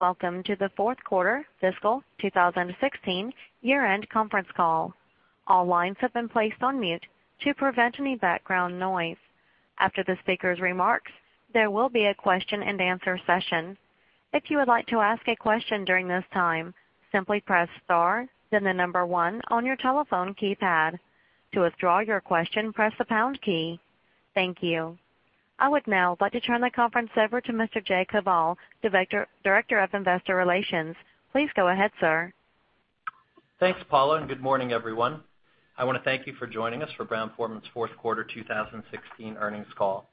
Welcome to the fourth quarter fiscal 2016 year-end conference call. All lines have been placed on mute to prevent any background noise. After the speaker's remarks, there will be a question and answer session. If you would like to ask a question during this time, simply press star then the number one on your telephone keypad. To withdraw your question, press the pound key. Thank you. I would now like to turn the conference over to Mr. Jay Koval, Director of Investor Relations. Please go ahead, sir. Thanks, Paula. Good morning, everyone. I want to thank you for joining us for Brown-Forman's fourth quarter 2016 earnings call.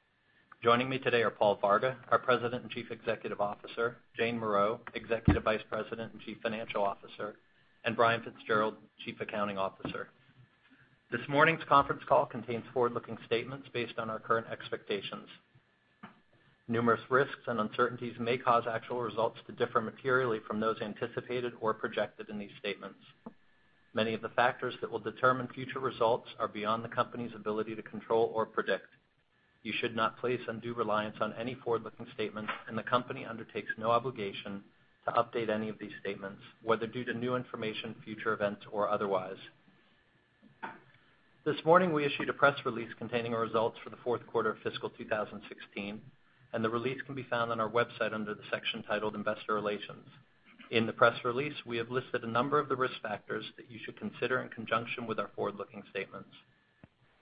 Joining me today are Paul Varga, our President and Chief Executive Officer, Jane Morreau, Executive Vice President and Chief Financial Officer, and Brian Fitzgerald, Chief Accounting Officer. This morning's conference call contains forward-looking statements based on our current expectations. Numerous risks and uncertainties may cause actual results to differ materially from those anticipated or projected in these statements. Many of the factors that will determine future results are beyond the company's ability to control or predict. You should not place undue reliance on any forward-looking statements, the company undertakes no obligation to update any of these statements, whether due to new information, future events, or otherwise. This morning, we issued a press release containing our results for the fourth quarter of fiscal 2016, the release can be found on our website under the section titled Investor Relations. In the press release, we have listed a number of the risk factors that you should consider in conjunction with our forward-looking statements.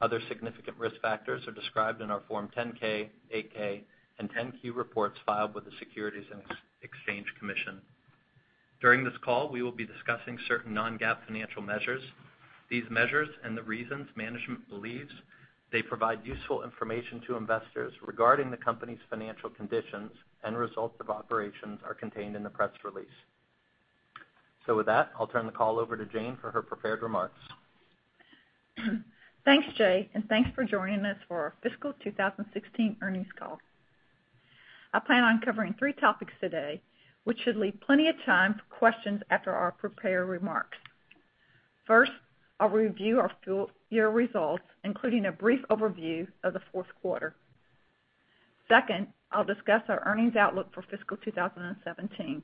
Other significant risk factors are described in our Form 10-K, Form 8-K, and Form 10-Q reports filed with the Securities and Exchange Commission. During this call, we will be discussing certain non-GAAP financial measures. These measures and the reasons management believes they provide useful information to investors regarding the company's financial conditions and results of operations are contained in the press release. With that, I'll turn the call over to Jane for her prepared remarks. Thanks, Jay. Thanks for joining us for our fiscal 2016 earnings call. I plan on covering three topics today, which should leave plenty of time for questions after our prepared remarks. First, I'll review our full year results, including a brief overview of the fourth quarter. Second, I'll discuss our earnings outlook for fiscal 2017.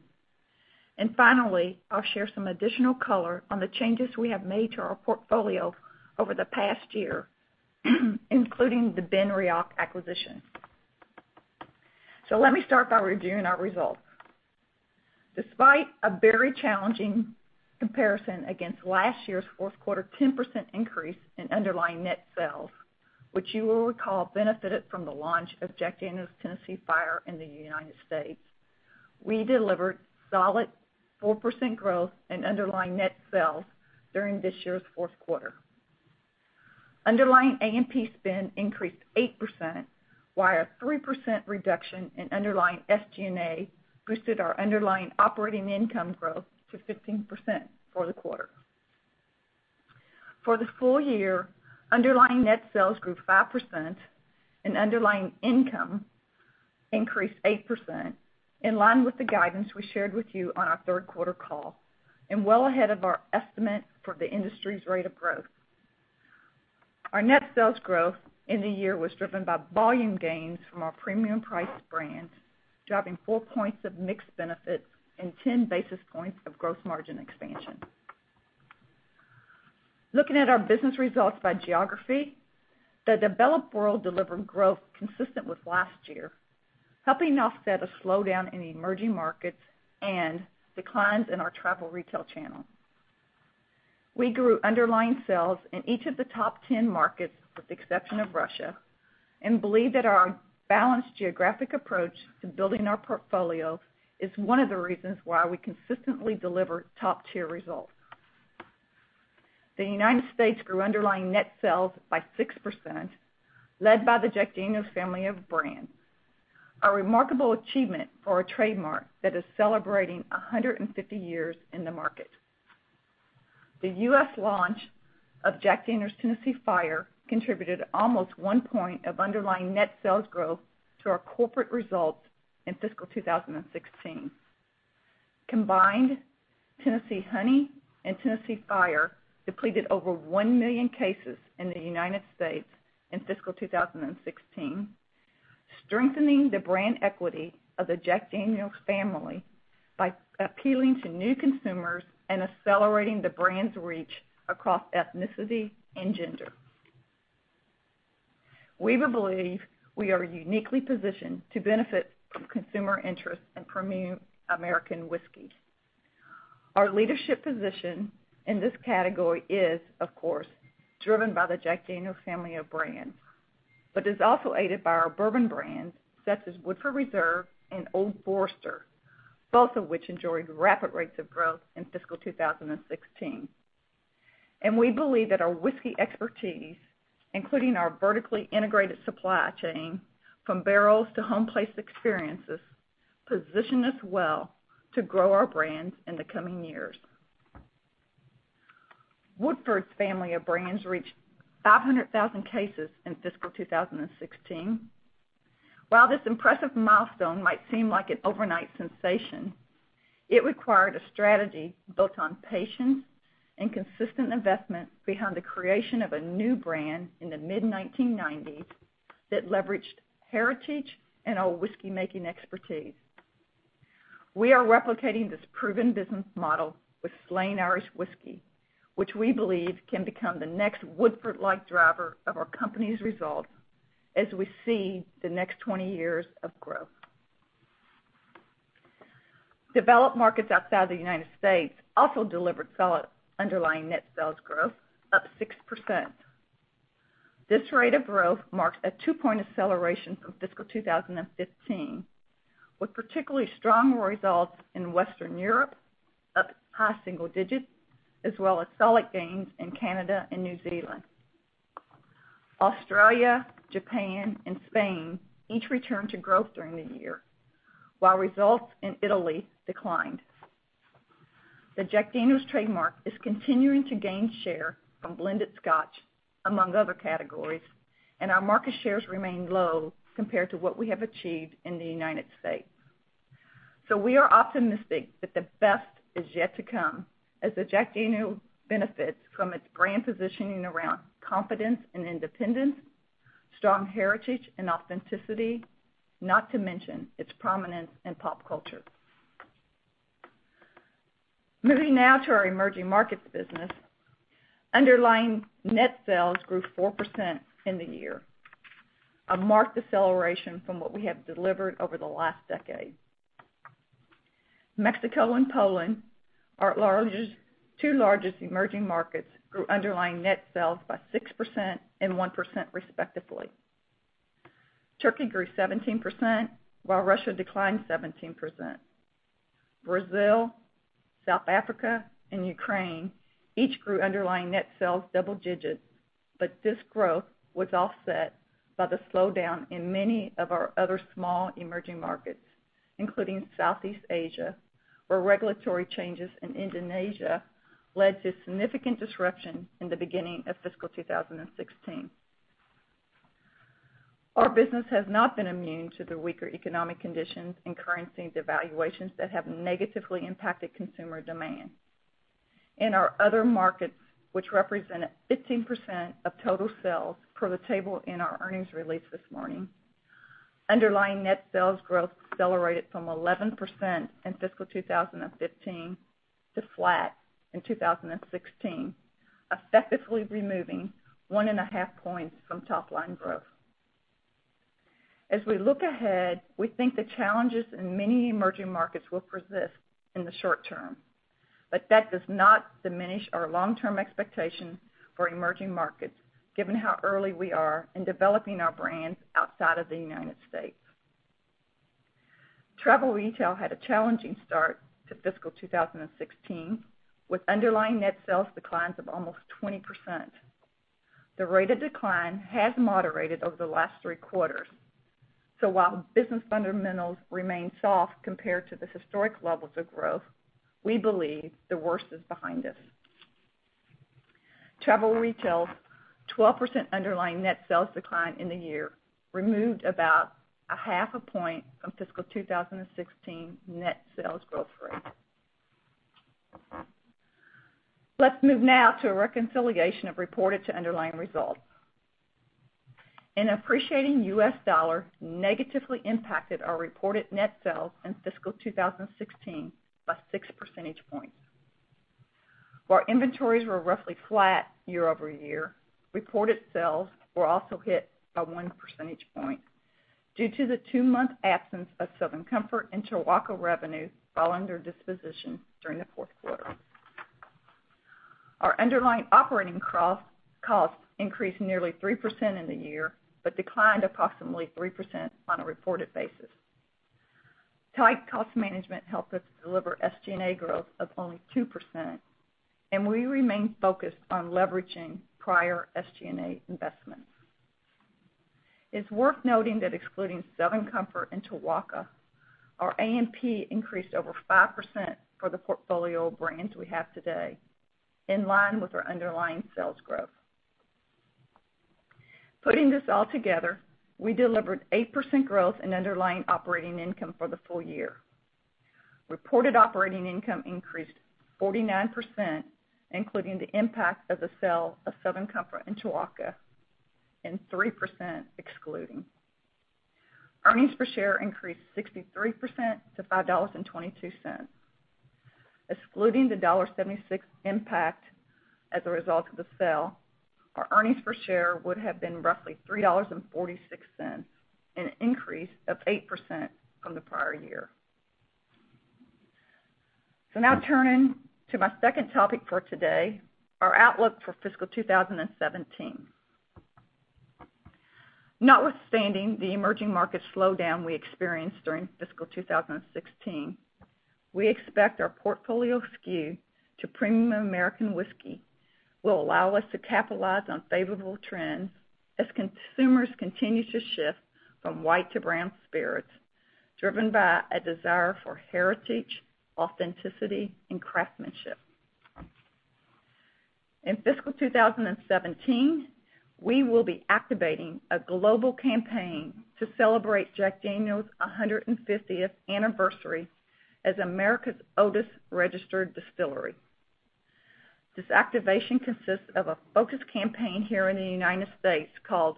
Finally, I'll share some additional color on the changes we have made to our portfolio over the past year, including the BenRiach acquisition. Let me start by reviewing our results. Despite a very challenging comparison against last year's fourth quarter, a 10% increase in underlying net sales, which you will recall benefited from the launch of Jack Daniel's Tennessee Fire in the U.S. We delivered solid 4% growth in underlying net sales during this year's fourth quarter. Underlying A&P spend increased 8%, while a 3% reduction in underlying SG&A boosted our underlying operating income growth to 15% for the quarter. For the full year, underlying net sales grew 5% and underlying income increased 8%, in line with the guidance we shared with you on our third quarter call, and well ahead of our estimate for the industry's rate of growth. Our net sales growth in the year was driven by volume gains from our premium priced brands, driving four points of mix benefit and ten basis points of gross margin expansion. Looking at our business results by geography, the developed world delivered growth consistent with last year, helping offset a slowdown in emerging markets and declines in our travel retail channel. We grew underlying sales in each of the top 10 markets, with the exception of Russia, and believe that our balanced geographic approach to building our portfolio is one of the reasons why we consistently deliver top-tier results. The United States grew underlying net sales by 6%, led by the Jack Daniel's family of brands, a remarkable achievement for a trademark that is celebrating 150 years in the market. The U.S. launch of Jack Daniel's Tennessee Fire contributed almost one point of underlying net sales growth to our corporate results in fiscal 2016. Combined, Tennessee Honey and Tennessee Fire depleted over one million cases in the United States in fiscal 2016, strengthening the brand equity of the Jack Daniel's family by appealing to new consumers and accelerating the brand's reach across ethnicity and gender. We believe we are uniquely positioned to benefit from consumer interest in premium American whiskey. Our leadership position in this category is, of course, driven by the Jack Daniel's family of brands, but is also aided by our bourbon brands such as Woodford Reserve and Old Forester, both of which enjoyed rapid rates of growth in fiscal 2016. We believe that our whiskey expertise, including our vertically integrated supply chain from barrels to home place experiences, position us well to grow our brands in the coming years. Woodford's family of brands reached 500,000 cases in fiscal 2016. While this impressive milestone might seem like an overnight sensation, it required a strategy built on patience and consistent investment behind the creation of a new brand in the mid-1990s that leveraged heritage and our whiskey-making expertise. We are replicating this proven business model with Slane Irish Whiskey, which we believe can become the next Woodford-like driver of our company's results as we see the next 20 years of growth. Developed markets outside of the United States also delivered solid underlying net sales growth, up 6%. This rate of growth marks a two-point acceleration from fiscal 2015, with particularly strong results in Western Europe, up high single digits, as well as solid gains in Canada and New Zealand. Australia, Japan, and Spain each returned to growth during the year, while results in Italy declined. The Jack Daniel's trademark is continuing to gain share from blended Scotch, among other categories, and our market shares remain low compared to what we have achieved in the United States. We are optimistic that the best is yet to come as the Jack Daniel's benefits from its brand positioning around confidence and independence, strong heritage, and authenticity, not to mention its prominence in pop culture. Moving now to our emerging markets business. Underlying net sales grew 4% in the year, a marked deceleration from what we have delivered over the last decade. Mexico and Poland, our two largest emerging markets, grew underlying net sales by 6% and 1% respectively. Turkey grew 17%, while Russia declined 17%. Brazil, South Africa, and Ukraine each grew underlying net sales double digits, but this growth was offset by the slowdown in many of our other small emerging markets, including Southeast Asia, where regulatory changes in Indonesia led to significant disruption in the beginning of fiscal 2016. Our business has not been immune to the weaker economic conditions and currency devaluations that have negatively impacted consumer demand. In our other markets, which represented 15% of total sales per the table in our earnings release this morning, underlying net sales growth decelerated from 11% in fiscal 2015 to flat in 2016, effectively removing one and a half points from top-line growth. As we look ahead, we think the challenges in many emerging markets will persist in the short term, but that does not diminish our long-term expectation for emerging markets, given how early we are in developing our brands outside of the U.S. Travel retail had a challenging start to fiscal 2016, with underlying net sales declines of almost 20%. The rate of decline has moderated over the last three quarters. While business fundamentals remain soft compared to the historic levels of growth, we believe the worst is behind us. Travel retail's 12% underlying net sales decline in the year removed about a half a point from fiscal 2016 net sales growth rate. Let's move now to a reconciliation of reported to underlying results. An appreciating U.S. dollar negatively impacted our reported net sales in fiscal 2016 by six percentage points. While inventories were roughly flat year-over-year, reported sales were also hit by one percentage point due to the two-month absence of Southern Comfort and Tuaca revenue, while under disposition during the fourth quarter. Our underlying operating costs increased nearly 3% in the year, but declined approximately 3% on a reported basis. Tight cost management helped us deliver SG&A growth of only 2%, and we remain focused on leveraging prior SG&A investments. It's worth noting that excluding Southern Comfort and Tuaca, our A&P increased over 5% for the portfolio of brands we have today, in line with our underlying sales growth. Putting this all together, we delivered 8% growth in underlying operating income for the full year. Reported operating income increased 49%, including the impact of the sale of Southern Comfort and Tuaca, and 3% excluding. Earnings per share increased 63% to $5.22. Excluding the $1.76 impact as a result of the sale, our earnings per share would have been roughly $3.46, an increase of 8% from the prior year. Now turning to my second topic for today, our outlook for fiscal 2017. Notwithstanding the emerging market slowdown we experienced during fiscal 2016, we expect our portfolio skew to premium American whiskey will allow us to capitalize on favorable trends as consumers continue to shift from white to brown spirits, driven by a desire for heritage, authenticity, and craftsmanship. In fiscal 2017, we will be activating a global campaign to celebrate Jack Daniel's 150th anniversary as America's oldest registered distillery. This activation consists of a focus campaign here in the U.S. called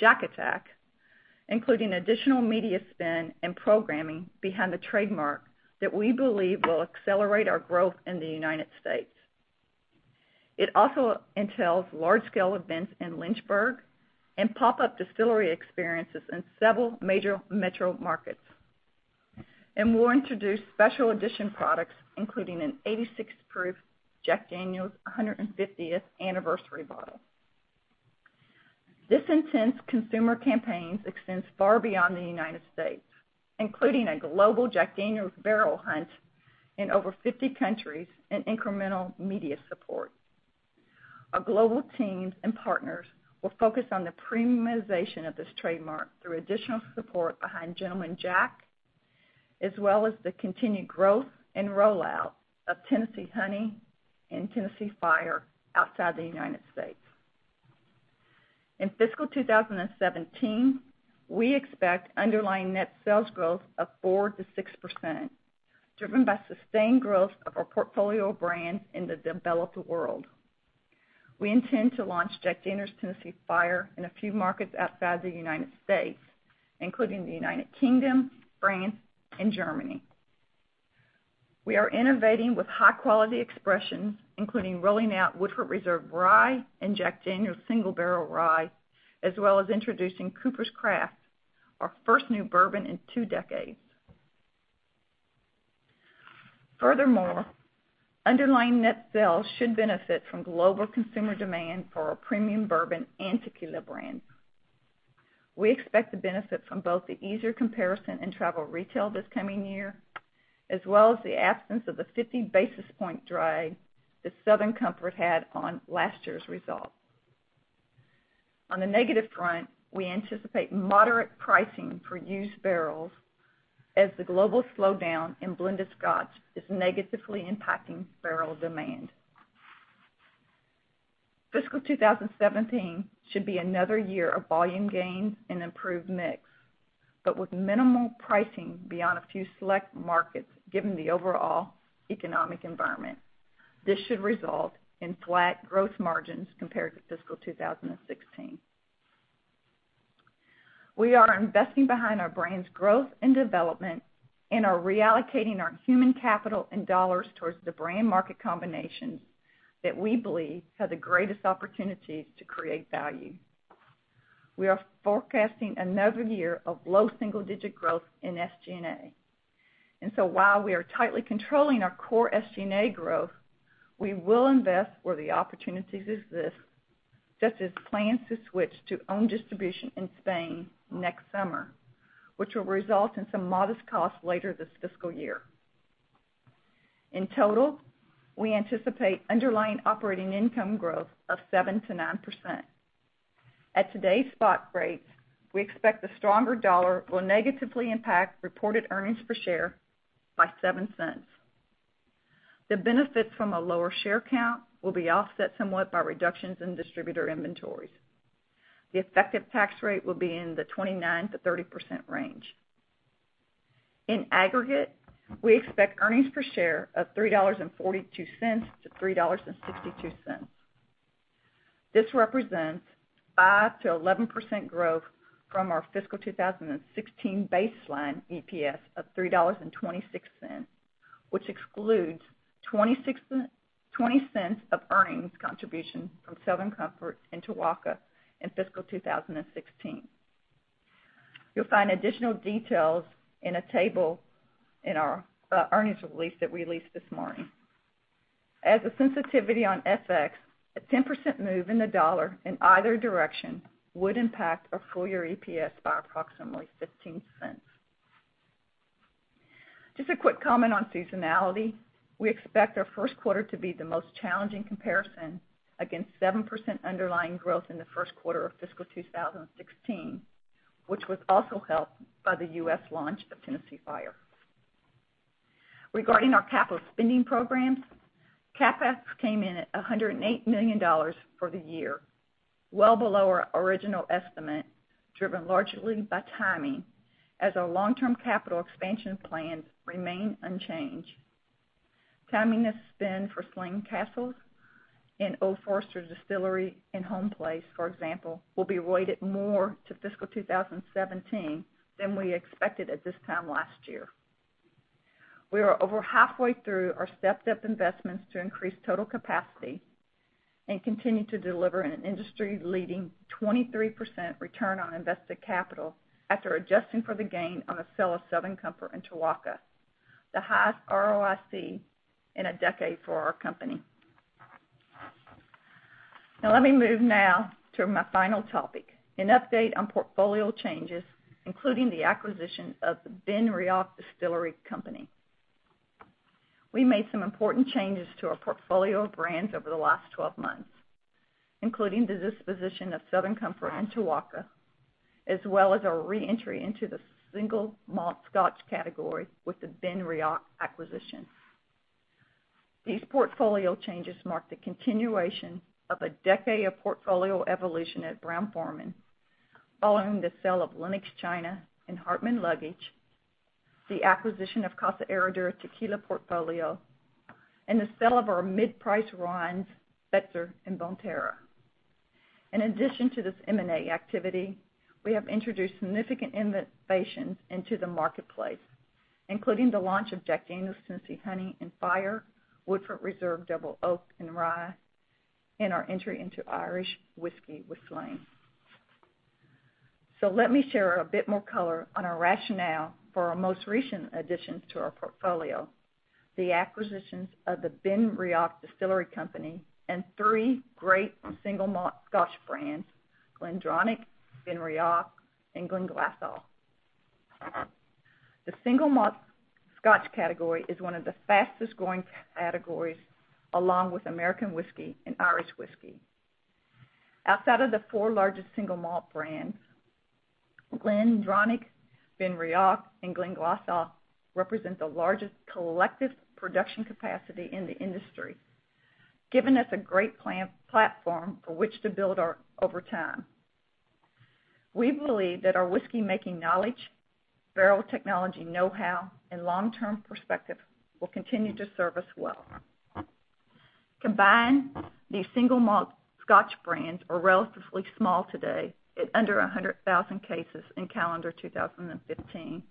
Jack Attack, including additional media spend and programming behind the trademark that we believe will accelerate our growth in the U.S. It also entails large-scale events in Lynchburg and pop-up distillery experiences in several major metro markets. We'll introduce special edition products, including an 86 proof Jack Daniel's 150th anniversary bottle. This intense consumer campaigns extends far beyond the U.S., including a global Jack Daniel's barrel hunt in over 50 countries and incremental media support. Our global teams and partners will focus on the premiumization of this trademark through additional support behind Gentleman Jack, as well as the continued growth and rollout of Tennessee Honey and Tennessee Fire outside the U.S. In fiscal 2017, we expect underlying net sales growth of 4%-6%, driven by sustained growth of our portfolio brands in the developed world. We intend to launch Jack Daniel's Tennessee Fire in a few markets outside the U.S., including the U.K., France, and Germany. We are innovating with high-quality expressions, including rolling out Woodford Reserve Rye and Jack Daniel's Single Barrel Rye, as well as introducing Coopers' Craft, our first new bourbon in two decades. Underlying net sales should benefit from global consumer demand for our premium bourbon and tequila brands. We expect the benefit from both the easier comparison in travel retail this coming year, as well as the absence of the 50 basis point drag that Southern Comfort had on last year's result. On the negative front, we anticipate moderate pricing for used barrels as the global slowdown in blended scotch is negatively impacting barrel demand. Fiscal 2017 should be another year of volume gains and improved mix, but with minimal pricing beyond a few select markets, given the overall economic environment. This should result in flat growth margins compared to fiscal 2016. We are investing behind our brands' growth and development and are reallocating our human capital and dollars towards the brand market combinations that we believe have the greatest opportunities to create value. We are forecasting another year of low single-digit growth in SG&A. While we are tightly controlling our core SG&A growth, we will invest where the opportunities exist, such as plans to switch to own distribution in Spain next summer, which will result in some modest costs later this fiscal year. In total, we anticipate underlying operating income growth of 7%-9%. At today's spot rates, we expect the stronger dollar will negatively impact reported earnings per share by $0.07. The benefit from a lower share count will be offset somewhat by reductions in distributor inventories. The effective tax rate will be in the 29%-30% range. In aggregate, we expect earnings per share of $3.42-$3.62. This represents 5%-11% growth from our fiscal 2016 baseline EPS of $3.26, which excludes $0.20 of earnings contribution from Southern Comfort and Tuaca in fiscal 2016. A sensitivity on FX, a 10% move in the dollar in either direction would impact our full-year EPS by approximately $0.15. Just a quick comment on seasonality. We expect our first quarter to be the most challenging comparison against 7% underlying growth in the first quarter of fiscal 2016, which was also helped by the U.S. launch of Tennessee Fire. Regarding our capital spending programs, CapEx came in at $108 million for the year, well below our original estimate, driven largely by timing as our long-term capital expansion plans remain unchanged. Timing of spend for Slane Castle and Old Forester Distillery in Home Place, for example, will be weighted more to fiscal 2017 than we expected at this time last year. We are over halfway through our stepped-up investments to increase total capacity and continue to deliver an industry-leading 23% return on invested capital after adjusting for the gain on the sale of Southern Comfort and Tuaca, the highest ROIC in a decade for our company. Let me move now to my final topic, an update on portfolio changes, including the acquisition of the BenRiach Distillery Company. We made some important changes to our portfolio of brands over the last 12 months, including the disposition of Southern Comfort and Tuaca, as well as our re-entry into the single malt Scotch category with the BenRiach acquisition. These portfolio changes mark the continuation of a decade of portfolio evolution at Brown-Forman, following the sale of Lenox China and Hartmann Luggage, the acquisition of Casa Herradura Tequila portfolio and the sale of our mid-price rums, Fetzer and Bonterra. In addition to this M&A activity, we have introduced significant innovations into the marketplace, including the launch of Jack Daniel's Tennessee Honey and Fire, Woodford Reserve Double Oaked and Rye, and our entry into Irish whiskey with Slane. Let me share a bit more color on our rationale for our most recent additions to our portfolio, the acquisitions of the BenRiach Distillery Company and three great single malt Scotch brands, GlenDronach, BenRiach, and Glenglassaugh. The single malt Scotch category is one of the fastest-growing categories, along with American whiskey and Irish whiskey. Outside of the four largest single malt brands, GlenDronach, BenRiach, and Glenglassaugh represent the largest collective production capacity in the industry, giving us a great platform for which to build over time. We believe that our whiskey-making knowledge, barrel technology know-how, and long-term perspective will continue to serve us well. Combined, these single malt Scotch brands are relatively small today, at under 100,000 cases in calendar 2015,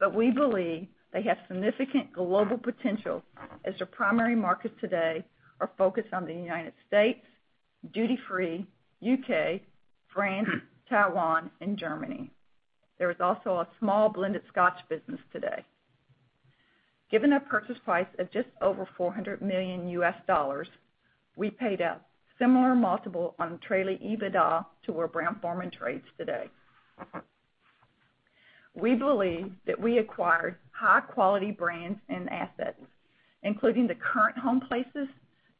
but we believe they have significant global potential as their primary markets today are focused on the U.S., duty-free, U.K., France, Taiwan, and Germany. There is also a small blended Scotch business today. Given a purchase price of just over $400 million, we paid a similar multiple on trailing EBITDA to where Brown-Forman trades today. We believe that we acquired high-quality brands and assets, including the current home places,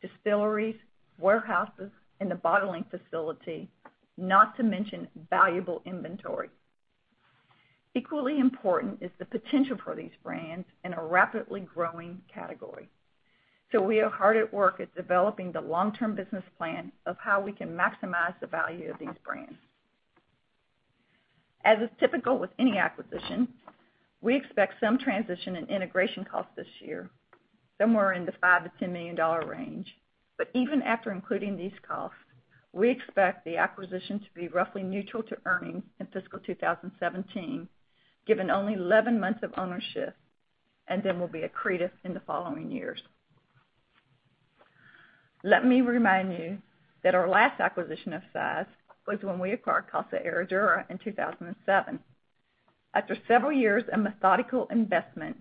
distilleries, warehouses, and the bottling facility, not to mention valuable inventory. Equally important is the potential for these brands in a rapidly growing category. We are hard at work at developing the long-term business plan of how we can maximize the value of these brands. As is typical with any acquisition, we expect some transition and integration costs this year, somewhere in the $5 million-$10 million range. Even after including these costs, we expect the acquisition to be roughly neutral to earnings in fiscal 2017, given only 11 months of ownership, then will be accretive in the following years. Let me remind you that our last acquisition of size was when we acquired Casa Herradura in 2007. After several years of methodical investment,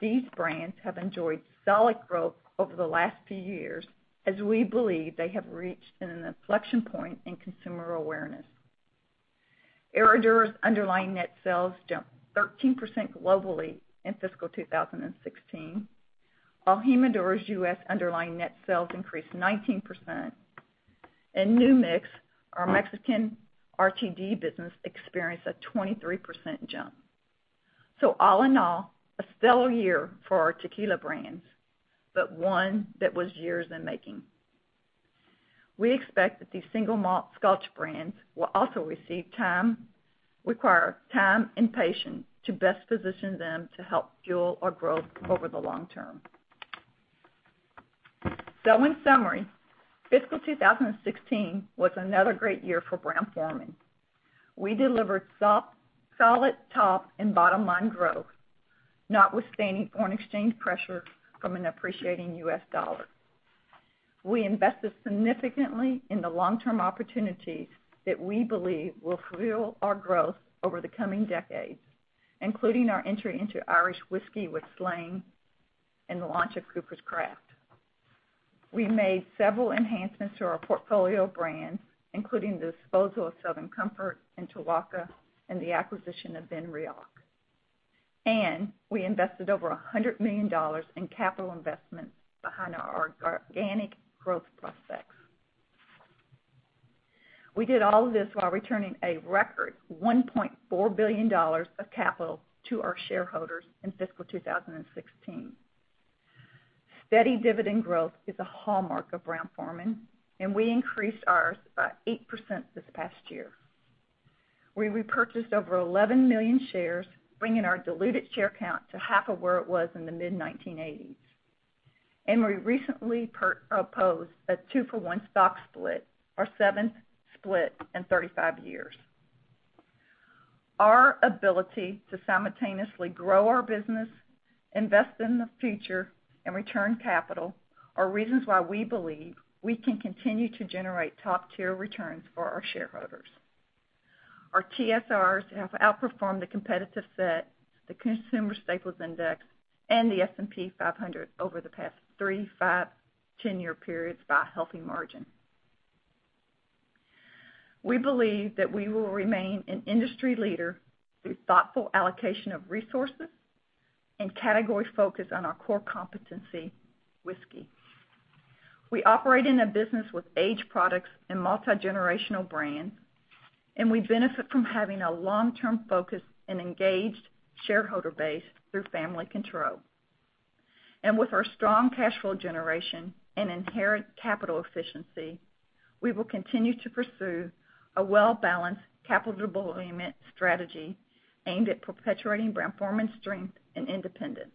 these brands have enjoyed solid growth over the last few years as we believe they have reached an inflection point in consumer awareness. Herradura's underlying net sales jumped 13% globally in fiscal 2016, while Jimador's U.S. underlying net sales increased 19%. New Mix, our Mexican RTD business, experienced a 23% jump. All in all, a stellar year for our tequila brands, but one that was years in making. We expect that these single malt Scotch brands will also require time and patience to best position them to help fuel our growth over the long term. In summary, fiscal 2016 was another great year for Brown-Forman. We delivered solid top and bottom line growth, notwithstanding foreign exchange pressure from an appreciating U.S. dollar. We invested significantly in the long-term opportunities that we believe will fuel our growth over the coming decades, including our entry into Irish whiskey with Slane and the launch of Coopers' Craft. We made several enhancements to our portfolio of brands, including the disposal of Southern Comfort and Tuaca and the acquisition of BenRiach. We invested over $100 million in capital investments behind our organic growth prospects. We did all of this while returning a record $1.4 billion of capital to our shareholders in fiscal 2016. Steady dividend growth is a hallmark of Brown-Forman, we increased ours by 8% this past year. We repurchased over 11 million shares, bringing our diluted share count to half of where it was in the mid-1980s. We recently proposed a two-for-one stock split, our seventh split in 35 years. Our ability to simultaneously grow our business, invest in the future, and return capital are reasons why we believe we can continue to generate top-tier returns for our shareholders. Our TSRs have outperformed the competitive set, the Consumer Staples Index, and the S&P 500 over the past three, five, 10-year periods by a healthy margin. We believe that we will remain an industry leader through thoughtful allocation of resources and category focus on our core competency, whiskey. We operate in a business with aged products and multigenerational brands, we benefit from having a long-term focus and engaged shareholder base through family control. With our strong cash flow generation and inherent capital efficiency, we will continue to pursue a well-balanced capital deployment strategy aimed at perpetuating Brown-Forman's strength and independence.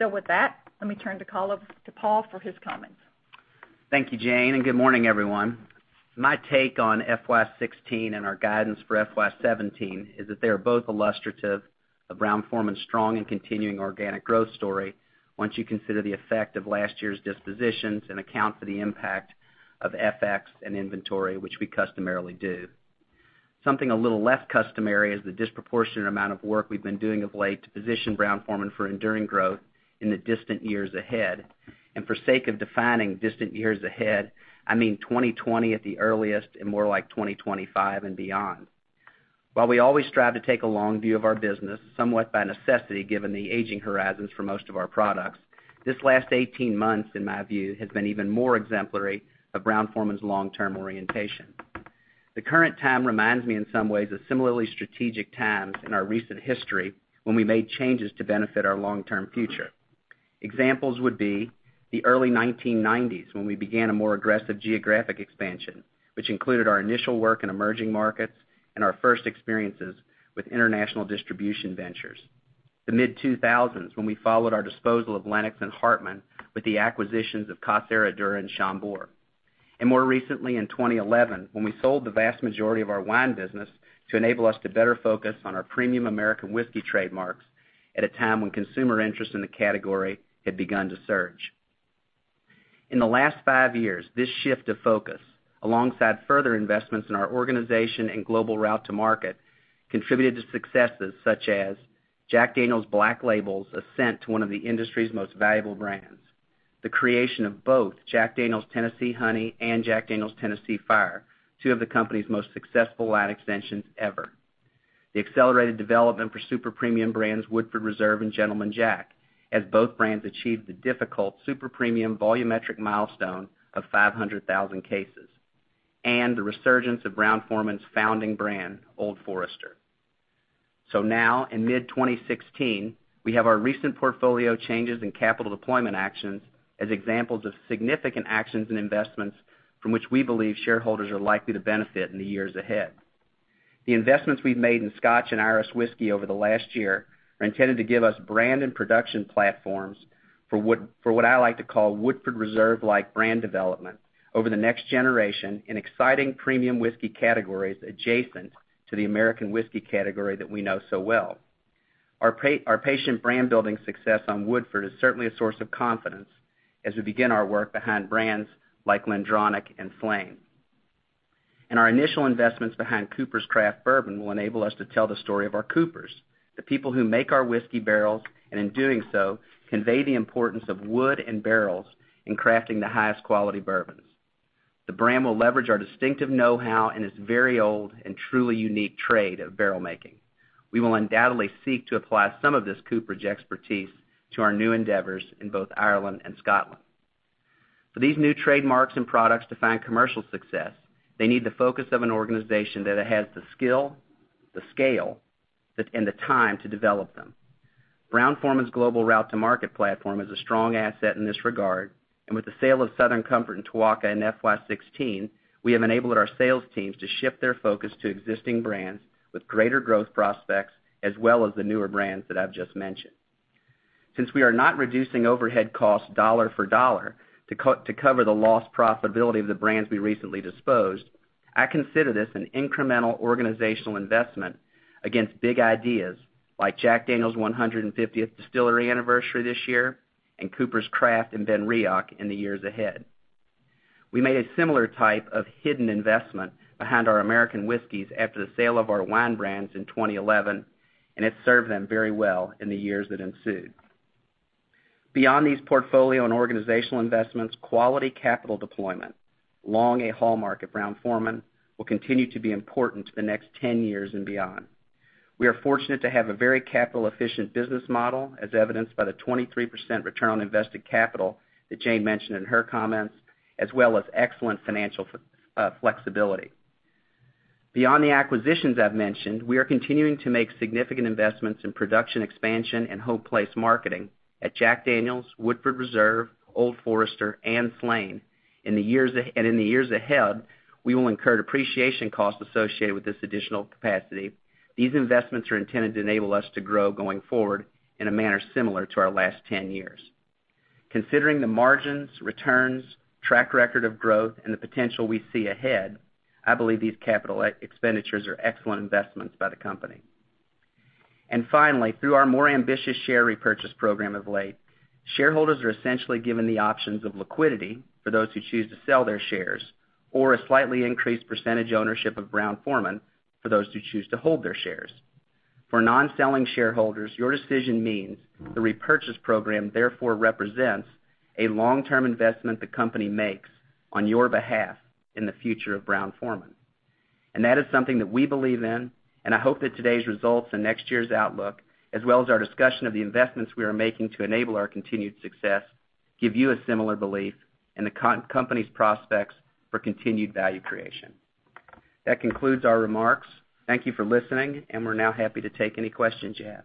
With that, let me turn the call over to Paul for his comments. Thank you, Jane, and good morning, everyone. My take on FY 2016 and our guidance for FY 2017 is that they are both illustrative of Brown-Forman's strong and continuing organic growth story once you consider the effect of last year's dispositions and account for the impact of FX and inventory, which we customarily do. Something a little less customary is the disproportionate amount of work we've been doing of late to position Brown-Forman for enduring growth in the distant years ahead. For sake of defining distant years ahead, I mean 2020 at the earliest and more like 2025 and beyond. While we always strive to take a long view of our business, somewhat by necessity given the aging horizons for most of our products, this last 18 months, in my view, has been even more exemplary of Brown-Forman's long-term orientation. The current time reminds me in some ways of similarly strategic times in our recent history when we made changes to benefit our long-term future. Examples would be the early 1990s, when we began a more aggressive geographic expansion, which included our initial work in emerging markets and our first experiences with international distribution ventures. The mid-2000s, when we followed our disposal of Lenox and Hartmann with the acquisitions of Casa Herradura, Chambord, and Chambord. More recently in 2011, when we sold the vast majority of our wine business to enable us to better focus on our premium American whiskey trademarks at a time when consumer interest in the category had begun to surge. In the last five years, this shift of focus, alongside further investments in our organization and global route to market, contributed to successes such as Jack Daniel's Black Label's ascent to one of the industry's most valuable brands. The creation of both Jack Daniel's Tennessee Honey and Jack Daniel's Tennessee Fire, two of the company's most successful line extensions ever. The accelerated development for super-premium brands Woodford Reserve and Gentleman Jack, as both brands achieved the difficult super-premium volumetric milestone of 500,000 cases. The resurgence of Brown-Forman's founding brand, Old Forester. Now in mid-2016, we have our recent portfolio changes in capital deployment actions as examples of significant actions and investments from which we believe shareholders are likely to benefit in the years ahead. The investments we've made in Scotch and Irish whiskey over the last year are intended to give us brand and production platforms for what I like to call Woodford Reserve-like brand development over the next generation in exciting premium whiskey categories adjacent to the American whiskey category that we know so well. Our patient brand-building success on Woodford is certainly a source of confidence as we begin our work behind brands like GlenDronach and Slane. Our initial investments behind Coopers' Craft Bourbon will enable us to tell the story of our Coopers, the people who make our whiskey barrels, and in doing so, convey the importance of wood and barrels in crafting the highest quality bourbons. The brand will leverage our distinctive know-how in this very old and truly unique trade of barrel making. We will undoubtedly seek to apply some of this cooperage expertise to our new endeavors in both Ireland and Scotland. For these new trademarks and products to find commercial success, they need the focus of an organization that has the skill, the scale, and the time to develop them. Brown-Forman's global route to market platform is a strong asset in this regard, with the sale of Southern Comfort and Tuaca in FY 2016, we have enabled our sales teams to shift their focus to existing brands with greater growth prospects, as well as the newer brands that I've just mentioned. Since we are not reducing overhead costs dollar for dollar to cover the lost profitability of the brands we recently disposed, I consider this an incremental organizational investment against big ideas like Jack Daniel's 150th distillery anniversary this year and Coopers' Craft and BenRiach in the years ahead. We made a similar type of hidden investment behind our American whiskeys after the sale of our wine brands in 2011. It served them very well in the years that ensued. Beyond these portfolio and organizational investments, quality capital deployment, long a hallmark of Brown-Forman, will continue to be important to the next 10 years and beyond. We are fortunate to have a very capital-efficient business model, as evidenced by the 23% return on invested capital that Jane mentioned in her comments, as well as excellent financial flexibility. Beyond the acquisitions I've mentioned, we are continuing to make significant investments in production expansion and home place marketing at Jack Daniel's, Woodford Reserve, Old Forester, and Slane. In the years ahead, we will incur depreciation costs associated with this additional capacity. These investments are intended to enable us to grow going forward in a manner similar to our last 10 years. Considering the margins, returns, track record of growth, and the potential we see ahead, I believe these capital expenditures are excellent investments by the company. Finally, through our more ambitious share repurchase program of late, shareholders are essentially given the options of liquidity for those who choose to sell their shares or a slightly increased percentage ownership of Brown-Forman for those who choose to hold their shares. For non-selling shareholders, your decision means the repurchase program therefore represents a long-term investment the company makes on your behalf in the future of Brown-Forman. That is something that we believe in. I hope that today's results and next year's outlook, as well as our discussion of the investments we are making to enable our continued success, give you a similar belief in the company's prospects for continued value creation. That concludes our remarks. Thank you for listening. We're now happy to take any questions you have.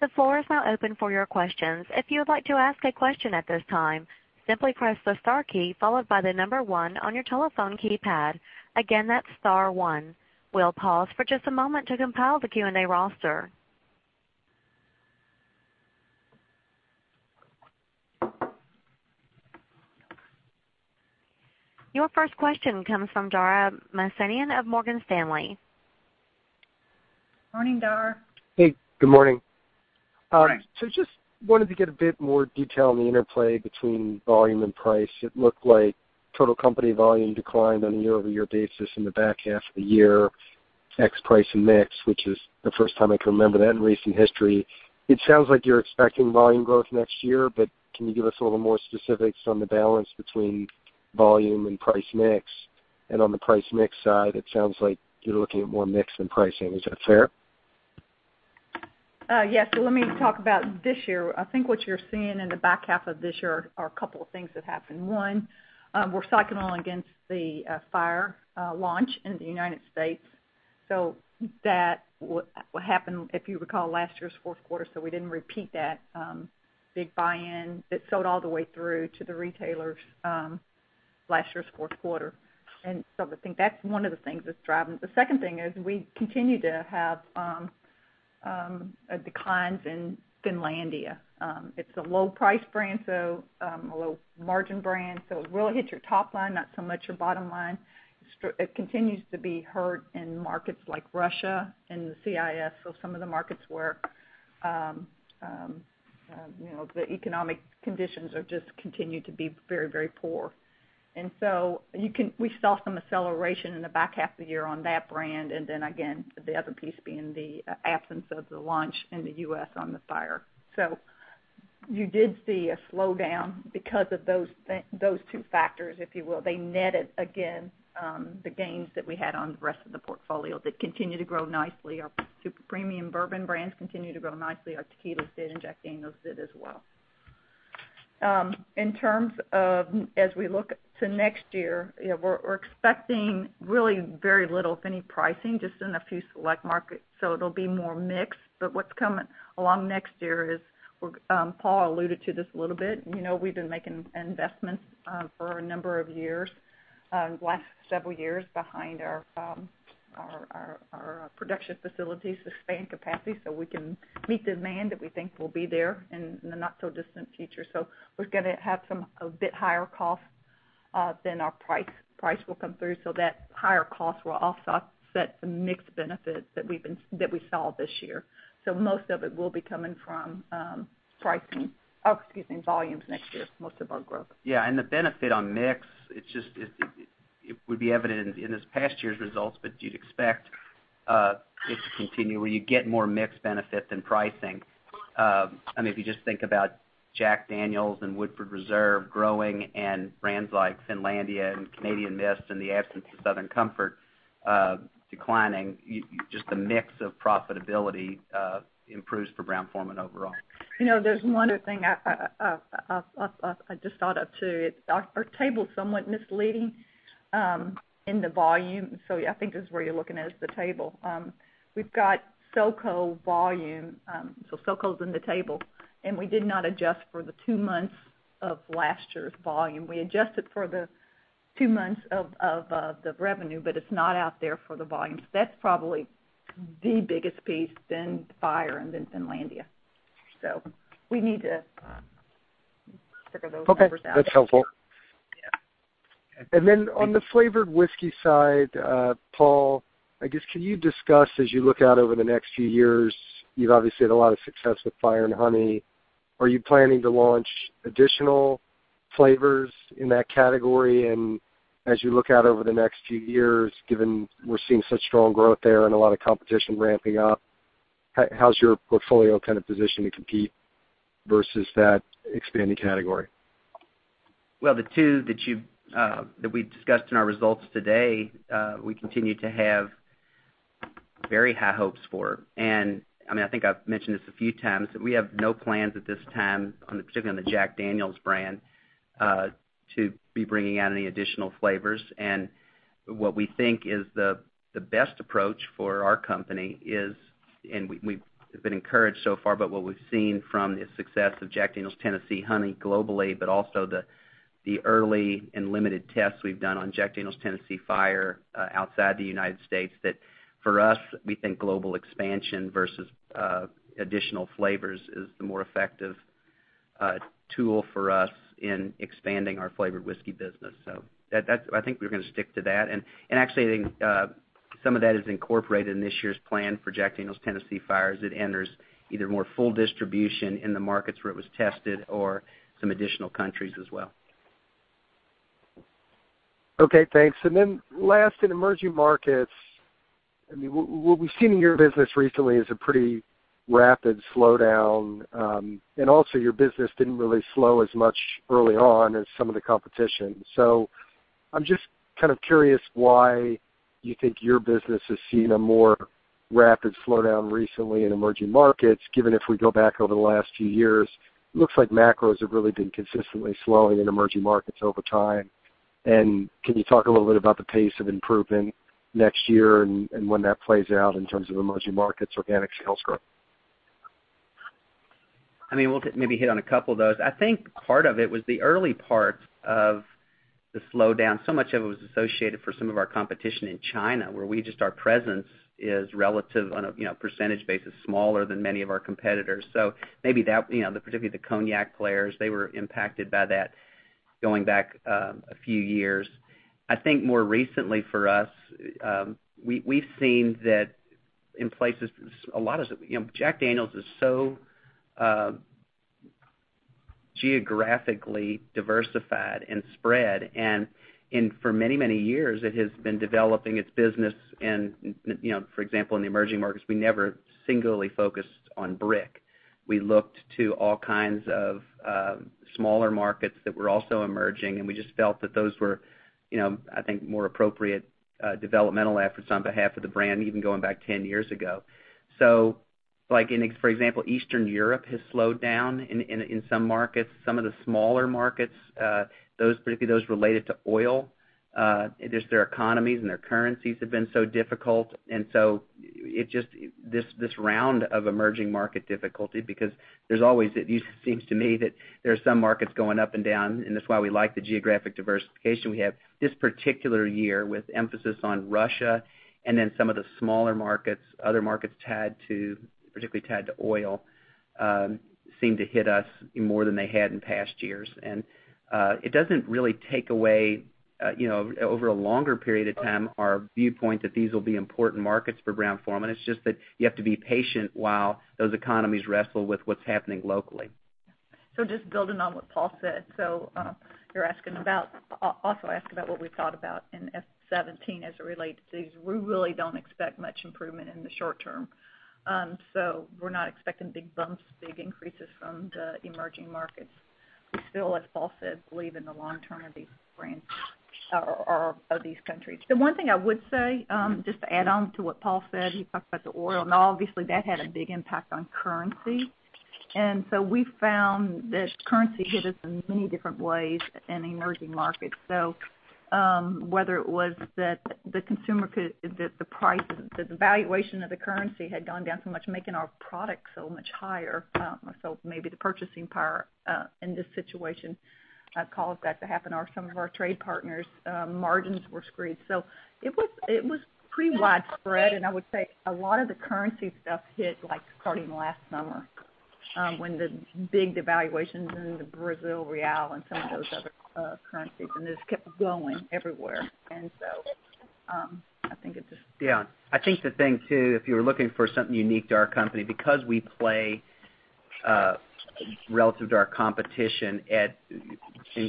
The floor is now open for your questions. If you would like to ask a question at this time, simply press the star key, followed by the number 1 on your telephone keypad. Again, that's star one. We'll pause for just a moment to compile the Q&A roster. Your first question comes from Dara Mohsenian of Morgan Stanley. Morning, Dara. Hey, good morning. Morning. Just wanted to get a bit more detail on the interplay between volume and price. It looked like total company volume declined on a year-over-year basis in the back half of the year, ex price and mix, which is the first time I can remember that in recent history. It sounds like you're expecting volume growth next year, but can you give us a little more specifics on the balance between volume and price mix? On the price mix side, it sounds like you're looking at more mix than pricing. Is that fair? Yes. Let me talk about this year. I think what you're seeing in the back half of this year are a couple of things that happened. One, we're cycling all against the Fire launch in the United States. That happened, if you recall, last year's fourth quarter, so we didn't repeat that big buy-in that sold all the way through to the retailers last year's fourth quarter. I think that's one of the things that's driving it. The second thing is we continue to have declines in Finlandia. It's a low price brand, so a low margin brand, so it really hits your top line, not so much your bottom line. It continues to be hurt in markets like Russia and the CIS, so some of the markets where the economic conditions have just continued to be very poor. We saw some acceleration in the back half of the year on that brand, and then again, the other piece being the absence of the launch in the U.S. on the Fire. You did see a slowdown because of those two factors, if you will. They netted, again, the gains that we had on the rest of the portfolio that continue to grow nicely. Our super premium bourbon brands continue to grow nicely. Our tequilas did, and Jack Daniel's did as well. As we look to next year, we're expecting really very little, if any, pricing, just in a few select markets. It'll be more mix. What's coming along next year is, Paul alluded to this a little bit. We've been making investments for a number of years, last several years, behind our production facilities to expand capacity so we can meet demand that we think will be there in the not-so-distant future. We're going to have a bit higher cost than our price will come through, so that higher cost will offset the mix benefit that we saw this year. Most of it will be coming from volumes next year, most of our growth. Yeah. The benefit on mix, it would be evident in this past year's results, but you'd expect it to continue, where you get more mix benefit than pricing. If you just think about Jack Daniel's and Woodford Reserve growing and brands like Finlandia and Canadian Mist and the absence of Southern Comfort declining, just the mix of profitability improves for Brown-Forman overall. There's one other thing I just thought of, too. Our table's somewhat misleading in the volume. I think this is where you're looking at is the table. We've got SoCo volume, so SoCo's in the table, and we did not adjust for the two months of last year's volume. We adjusted for the two months of the revenue, but it's not out there for the volumes. That's probably the biggest piece, then Fire and then Finlandia. We need to figure those numbers out. Okay. That's helpful. Yeah. Then on the flavored whiskey side, Paul, can you discuss as you look out over the next few years, you've obviously had a lot of success with Fire and Honey. Are you planning to launch additional flavors in that category? As you look out over the next few years, given we're seeing such strong growth there and a lot of competition ramping up, how's your portfolio positioned to compete versus that expanding category? Well, the two that we discussed in our results today, we continue to have very high hopes for. I think I've mentioned this a few times, that we have no plans at this time, particularly on the Jack Daniel's brand, to be bringing out any additional flavors. What we think is the best approach for our company is, and we've been encouraged so far by what we've seen from the success of Jack Daniel's Tennessee Honey globally, but also the early and limited tests we've done on Jack Daniel's Tennessee Fire outside the U.S., that for us, we think global expansion versus additional flavors is the more effective tool for us in expanding our flavored whiskey business. I think we're going to stick to that. Actually, some of that is incorporated in this year's plan for Jack Daniel's Tennessee Fire as it enters either more full distribution in the markets where it was tested or some additional countries as well. Okay, thanks. Last, in emerging markets, what we've seen in your business recently is a pretty rapid slowdown. Also, your business didn't really slow as much early on as some of the competition. I'm just curious why you think your business has seen a more rapid slowdown recently in emerging markets, given if we go back over the last few years, looks like macros have really been consistently slowing in emerging markets over time. Can you talk a little bit about the pace of improvement next year and when that plays out in terms of emerging markets organic sales growth? We'll maybe hit on a couple of those. I think part of it was the early part of the slowdown, so much of it was associated for some of our competition in China, where just our presence is relative, on a percentage basis, smaller than many of our competitors. Maybe particularly the cognac players, they were impacted by that going back a few years. I think more recently for us, we've seen that in places, Jack Daniel's is so geographically diversified and spread, and for many years it has been developing its business. For example, in the emerging markets, we never singularly focused on BRIC. We looked to all kinds of smaller markets that were also emerging, and we just felt that those were, I think, more appropriate developmental efforts on behalf of the brand, even going back 10 years ago. For example, Eastern Europe has slowed down in some markets. Some of the smaller markets, particularly those related to oil, just their economies and their currencies have been so difficult. This round of emerging market difficulty, because it seems to me that there are some markets going up and down, and that's why we like the geographic diversification we have. This particular year, with emphasis on Russia and then some of the smaller markets, other markets particularly tied to oil, seemed to hit us more than they had in past years. It doesn't really take away, over a longer period of time, our viewpoint that these will be important markets for Brown-Forman. It's just that you have to be patient while those economies wrestle with what's happening locally. Just building on what Paul said. You also asked about what we thought about in F17 as it relates to these. We really don't expect much improvement in the short term. We're not expecting big bumps, big increases from the emerging markets. We still, as Paul said, believe in the long-term of these countries. The one thing I would say, just to add on to what Paul said, he talked about the oil, and obviously, that had a big impact on currency. We found that currency hit us in many different ways in emerging markets. Whether it was that the valuation of the currency had gone down so much, making our product so much higher, so maybe the purchasing power in this situation caused that to happen, or some of our trade partners' margins were squeezed. It was pretty widespread, and I would say a lot of the currency stuff hit starting last summer when the big devaluations in the Brazil real and some of those other currencies, and it kept going everywhere. I think it just- Yeah. I think the thing too, if you were looking for something unique to our company, because we play relative to our competition and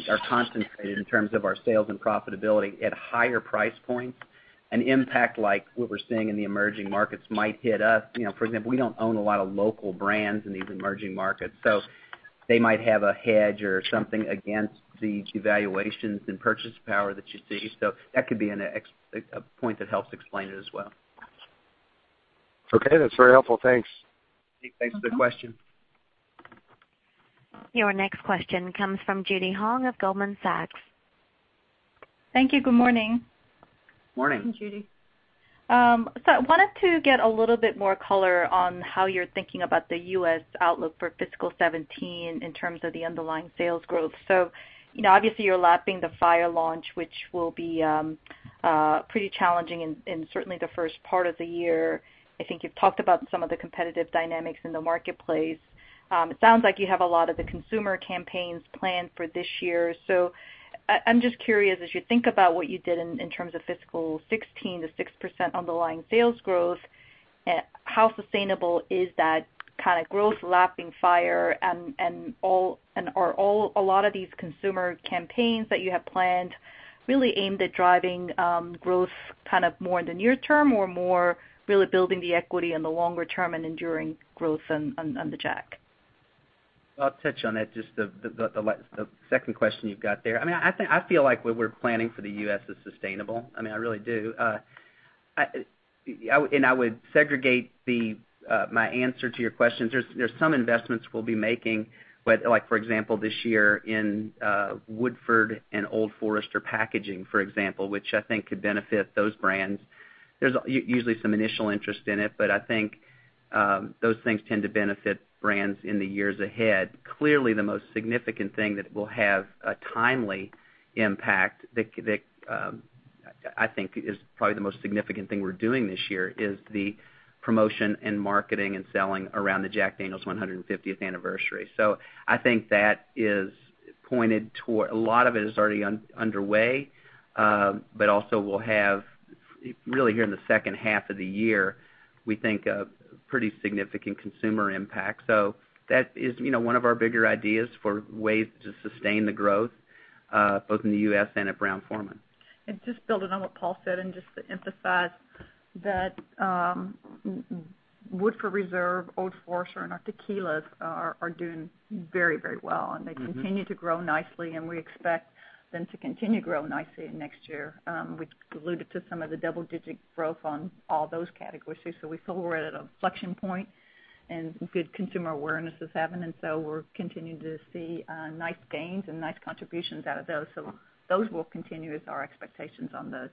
are concentrated in terms of our sales and profitability at higher price points, an impact like what we're seeing in the emerging markets might hit us. For example, we don't own a lot of local brands in these emerging markets, so they might have a hedge or something against these devaluations in purchase power that you see. That could be a point that helps explain it as well. Okay, that's very helpful. Thanks. Thanks for the question. Your next question comes from Judy Hong of Goldman Sachs. Thank you. Good morning. Morning. Judy. I wanted to get a little bit more color on how you're thinking about the U.S. outlook for FY 2017 in terms of the underlying sales growth. Obviously, you're lapping the Fire launch, which will be pretty challenging in certainly the first part of the year. I think you've talked about some of the competitive dynamics in the marketplace. It sounds like you have a lot of the consumer campaigns planned for this year. I'm just curious, as you think about what you did in terms of FY 2016, the 6% underlying sales growth, how sustainable is that kind of growth lapping Fire, and are a lot of these consumer campaigns that you have planned really aimed at driving growth more in the near term or more really building the equity in the longer term and enduring growth on the Jack? I'll touch on that, just the second question you've got there. I feel like what we're planning for the U.S. is sustainable. I really do. I would segregate my answer to your questions. There's some investments we'll be making, for example, this year in Woodford Reserve and Old Forester packaging, for example, which I think could benefit those brands. There's usually some initial interest in it, but I think those things tend to benefit brands in the years ahead. Clearly, the most significant thing that will have a timely impact that I think is probably the most significant thing we're doing this year, is the promotion in marketing and selling around the Jack Daniel's 150th anniversary. I think a lot of it is already underway, but also we'll have, really here in the second half of the year, we think a pretty significant consumer impact. That is one of our bigger ideas for ways to sustain the growth both in the U.S. and at Brown-Forman. Just building on what Paul said, and just to emphasize that Woodford Reserve, Old Forester, and our tequilas are doing very well, and they continue to grow nicely, and we expect them to continue growing nicely next year. We've alluded to some of the double-digit growth on all those categories too. We feel we're at an inflection point, and good consumer awareness is happening, we're continuing to see nice gains and nice contributions out of those. Those will continue as our expectations on those.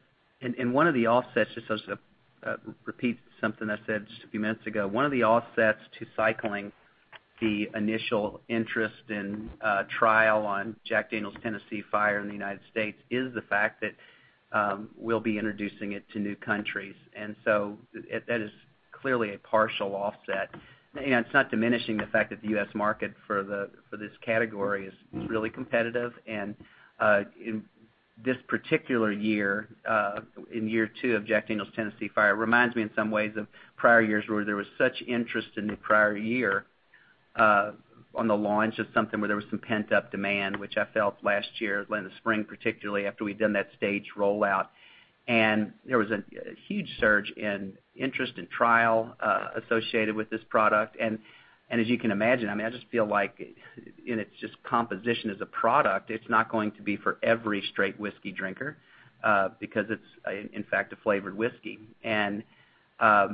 One of the offsets, just as a repeat something I said just a few minutes ago, one of the offsets to cycling the initial interest in a trial on Jack Daniel's Tennessee Fire in the U.S. is the fact that we'll be introducing it to new countries. That is clearly a partial offset. It's not diminishing the fact that the U.S. market for this category is really competitive. In this particular year, in year two of Jack Daniel's Tennessee Fire, reminds me in some ways of prior years where there was such interest in the prior year on the launch of something where there was some pent-up demand, which I felt last year, in the spring, particularly after we'd done that stage rollout. There was a huge surge in interest and trial associated with this product. As you can imagine, I just feel like in its just composition as a product, it's not going to be for every straight whiskey drinker, because it's, in fact, a flavored whiskey. I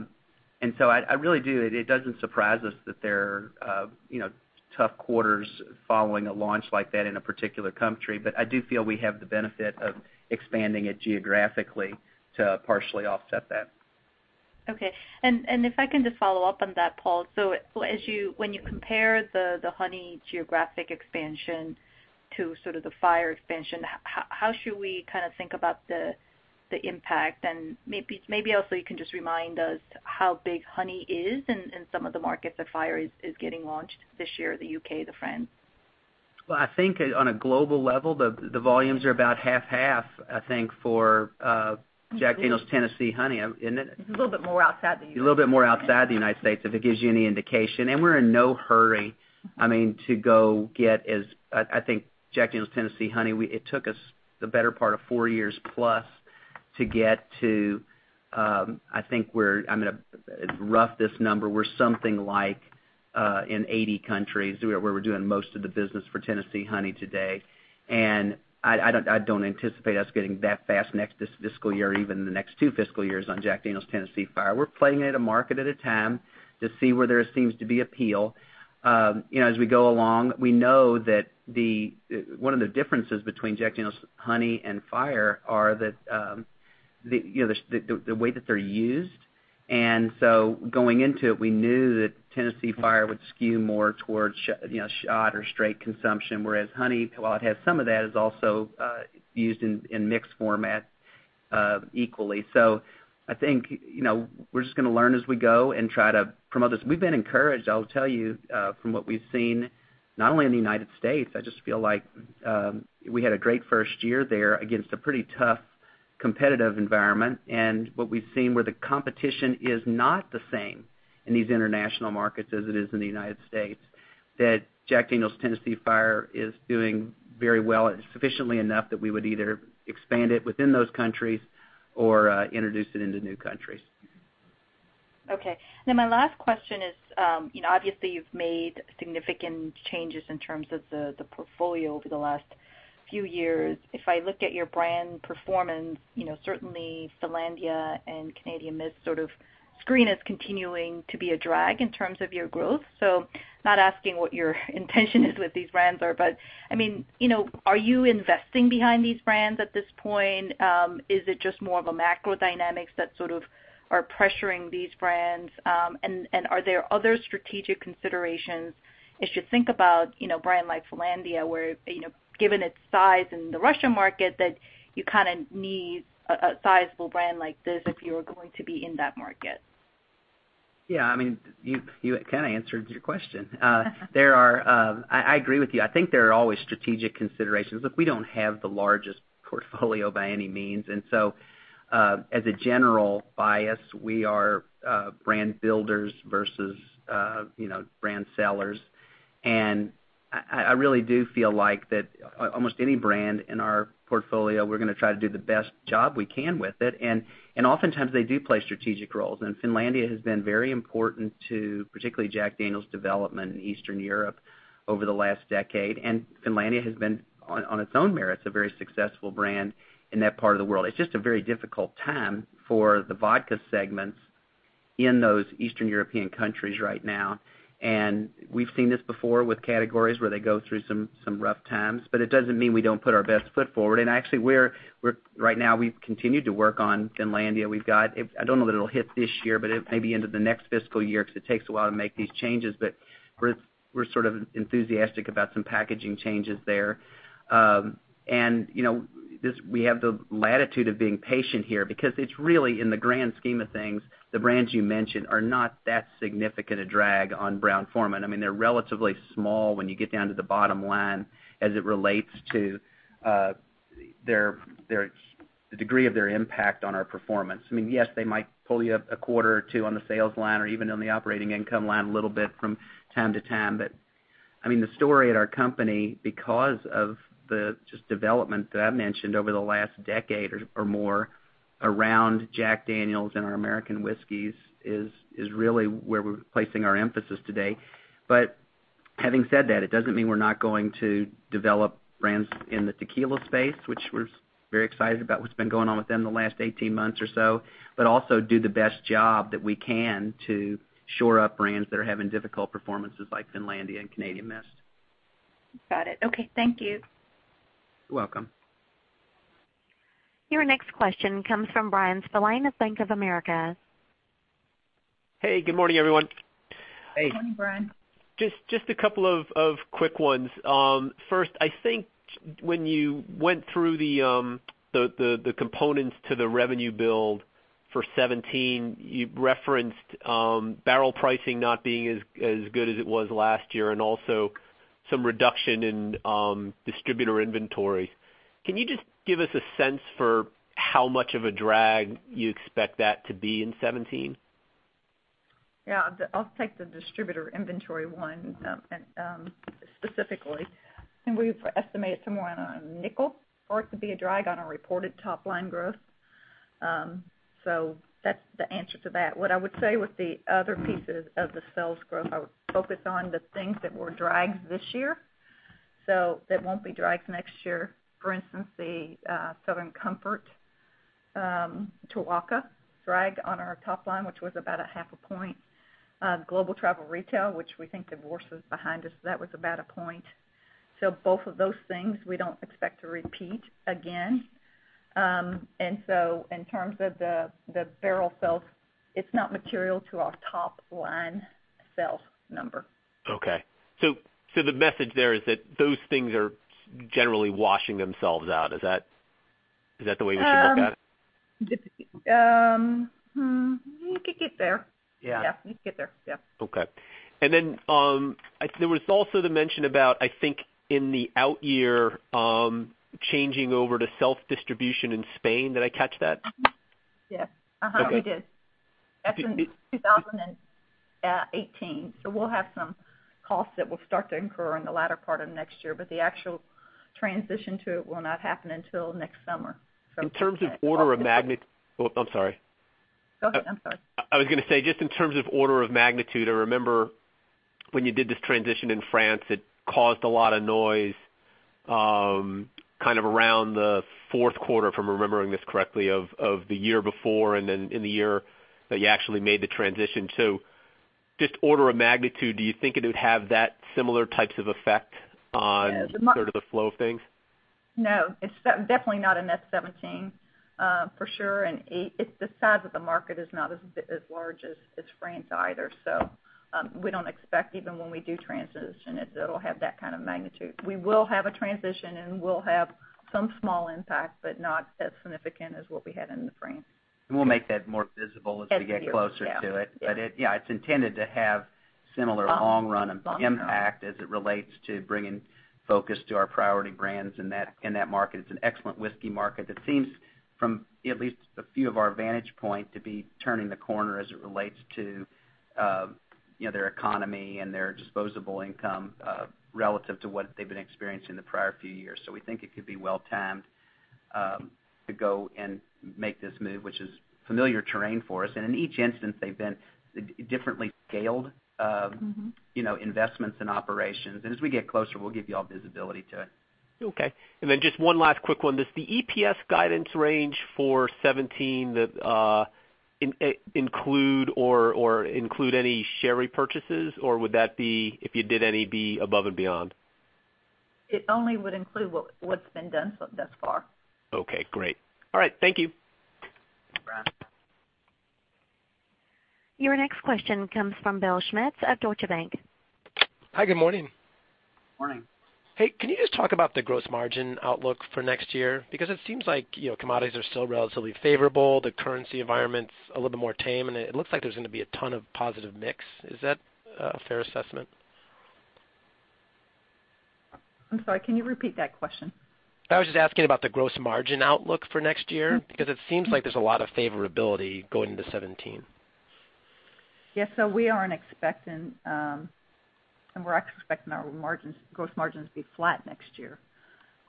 really do, it doesn't surprise us that there are tough quarters following a launch like that in a particular country. But I do feel we have the benefit of expanding it geographically to partially offset that. Okay. If I can just follow up on that, Paul. When you compare the Honey geographic expansion to sort of the Fire expansion, how should we think about the impact? Maybe also you can just remind us how big Honey is in some of the markets that Fire is getting launched this year, the U.K., the France. I think on a global level, the volumes are about half-half, I think, for Jack Daniel's Tennessee Honey. Isn't it? It's a little bit more outside the U.S. A little bit more outside the U.S., if it gives you any indication. We're in no hurry to go get as I think Jack Daniel's Tennessee Honey, it took us the better part of 4 years plus to get to, we're in 80 countries, where we're doing most of the business for Tennessee Honey today. I don't anticipate us getting that fast next fiscal year or even the next two fiscal years on Jack Daniel's Tennessee Fire. We're playing it a market at a time to see where there seems to be appeal. As we go along, we know that one of the differences between Jack Daniel's Honey and Fire are the way that they're used. Going into it, we knew that Tennessee Fire would skew more towards shot or straight consumption, whereas Honey, while it has some of that, is also used in mixed format equally. We're just going to learn as we go and try to promote this. We've been encouraged, I'll tell you, from what we've seen, not only in the U.S., I just feel like we had a great first year there against a pretty tough, competitive environment. What we've seen where the competition is not the same in these international markets as it is in the U.S., that Jack Daniel's Tennessee Fire is doing very well, sufficiently enough that we would either expand it within those countries or introduce it into new countries. Okay. Now my last question is, obviously you've made significant changes in terms of the portfolio over the last few years. If I looked at your brand performance, certainly Finlandia and Canadian Mist sort of screen as continuing to be a drag in terms of your growth. Not asking what your intention is with these brands are, but are you investing behind these brands at this point? Is it just more of a macro dynamics that sort of are pressuring these brands? Are there other strategic considerations I should think about a brand like Finlandia, where, given its size in the Russian market, that you kind of need a sizable brand like this if you are going to be in that market? Yeah. You kind of answered your question. I agree with you. I think there are always strategic considerations. Look, we don't have the largest portfolio by any means. As a general bias, we are brand builders versus brand sellers. I really do feel like that almost any brand in our portfolio, we're going to try to do the best job we can with it. Oftentimes they do play strategic roles. Finlandia has been very important to particularly Jack Daniel's development in Eastern Europe over the last decade. Finlandia has been, on its own merits, a very successful brand in that part of the world. It's just a very difficult time for the vodka segments in those Eastern European countries right now. We've seen this before with categories where they go through some rough times, it doesn't mean we don't put our best foot forward. Actually, right now, we've continued to work on Finlandia. I don't know that it'll hit this year, it may be into the next fiscal year, because it takes a while to make these changes, we're sort of enthusiastic about some packaging changes there. We have the latitude of being patient here because it's really, in the grand scheme of things, the brands you mentioned are not that significant a drag on Brown-Forman. They're relatively small when you get down to the bottom line as it relates to the degree of their impact on our performance. Yes, they might pull you up a quarter or two on the sales line or even on the operating income line a little bit from time to time, the story at our company, because of the development that I've mentioned over the last decade or more around Jack Daniel's and our American whiskeys, is really where we're placing our emphasis today. Having said that, it doesn't mean we're not going to develop brands in the tequila space, which we're very excited about what's been going on with them in the last 18 months or so, also do the best job that we can to shore up brands that are having difficult performances, like Finlandia and Canadian Mist. Got it. Okay. Thank you. You're welcome. Your next question comes from Bryan Spillane of Bank of America. Hey, good morning, everyone. Hey. Good morning, Bryan. Just a couple of quick ones. First, I think when you went through the components to the revenue build for 2017, you referenced barrel pricing not being as good as it was last year, and also some reduction in distributor inventory. Can you just give us a sense for how much of a drag you expect that to be in 2017? Yeah. I'll take the distributor inventory one specifically. I think we've estimated somewhere around $0.05 for it to be a drag on our reported top-line growth. That's the answer to that. What I would say with the other pieces of the sales growth, I would focus on the things that were drags this year, so that won't be drags next year. For instance, the Southern Comfort, Tequila dragged on our top line, which was about a half a point. Global travel retail, which we think the worst is behind us, that was about a point. Both of those things, we don't expect to repeat again. In terms of the barrel sales, it's not material to our top-line sales number. Okay. The message there is that those things are generally washing themselves out. Is that the way we should look at it? You could get there. Yeah. Yes, you could get there. Yeah. Okay. There was also the mention about, I think, in the out year, changing over to self-distribution in Spain. Did I catch that? Yes. Okay. We did. That's in 2018. We'll have some costs that we'll start to incur in the latter part of next year, but the actual transition to it will not happen until next summer from today. In terms of order of magnitude Oh, I'm sorry. Go ahead, I'm sorry. I was going to say, just in terms of order of magnitude, I remember when you did this transition in France, it caused a lot of noise around the fourth quarter, if I'm remembering this correctly, of the year before, and then in the year that you actually made the transition. Just order of magnitude, do you think it would have that similar types of effect on- No. Sort of the flow of things? No. It's definitely not in FY'17, for sure, and the size of the market is not as large as France either. We don't expect, even when we do transition, it'll have that kind of magnitude. We will have a transition, and we'll have some small impact, but not as significant as what we had into France. We'll make that more visible as we get closer to it. As we get closer, yeah. It's intended to have similar long run impact. Long term as it relates to bringing focus to our priority brands in that market. It's an excellent whiskey market that seems, from at least a few of our vantage point, to be turning the corner as it relates to their economy and their disposable income, relative to what they've been experiencing the prior few years. We think it could be well-timed, to go and make this move, which is familiar terrain for us. In each instance, they've been differently scaled- investments and operations. As we get closer, we'll give you all visibility to it. Okay. Just one last quick one. Does the EPS guidance range for 2017 include any share repurchases, or would that be, if you did any, be above and beyond? It only would include what's been done so thus far. Okay, great. All right. Thank you. Thanks, Bryan. Your next question comes from Bill Schmidt at Deutsche Bank. Hi, good morning. Morning. Hey, can you just talk about the gross margin outlook for next year? It seems like commodities are still relatively favorable, the currency environment's a little bit more tame, and it looks like there's going to be a ton of positive mix. Is that a fair assessment? I'm sorry, can you repeat that question? I was just asking about the gross margin outlook for next year, it seems like there's a lot of favorability going into 2017. Yeah. We're actually expecting our gross margins to be flat next year.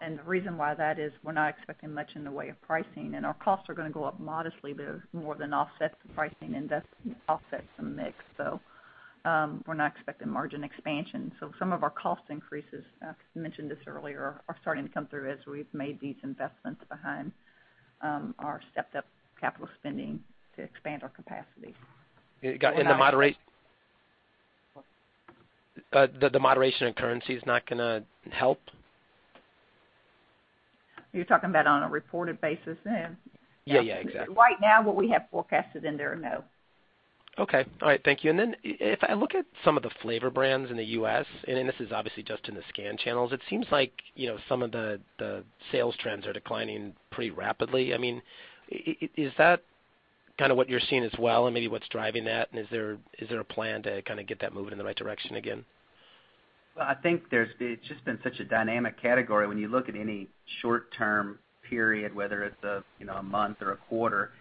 The reason why that is, we're not expecting much in the way of pricing, and our costs are going to go up modestly. They'll more than offset the pricing and offset some mix. We're not expecting margin expansion. Some of our cost increases, I mentioned this earlier, are starting to come through as we've made these investments behind our stepped-up capital spending to expand our capacity. The moderation in currency is not going to help? You're talking about on a reported basis then? Yeah, exactly. Right now, what we have forecasted in there, no. Okay. All right, thank you. If I look at some of the flavor brands in the U.S., and this is obviously just in the scan channels, it seems like some of the sales trends are declining pretty rapidly. Is that what you're seeing as well, and maybe what's driving that? Is there a plan to get that moving in the right direction again? Well, I think it's just been such a dynamic category. When you look at any short-term period, whether it's a month or a quarter.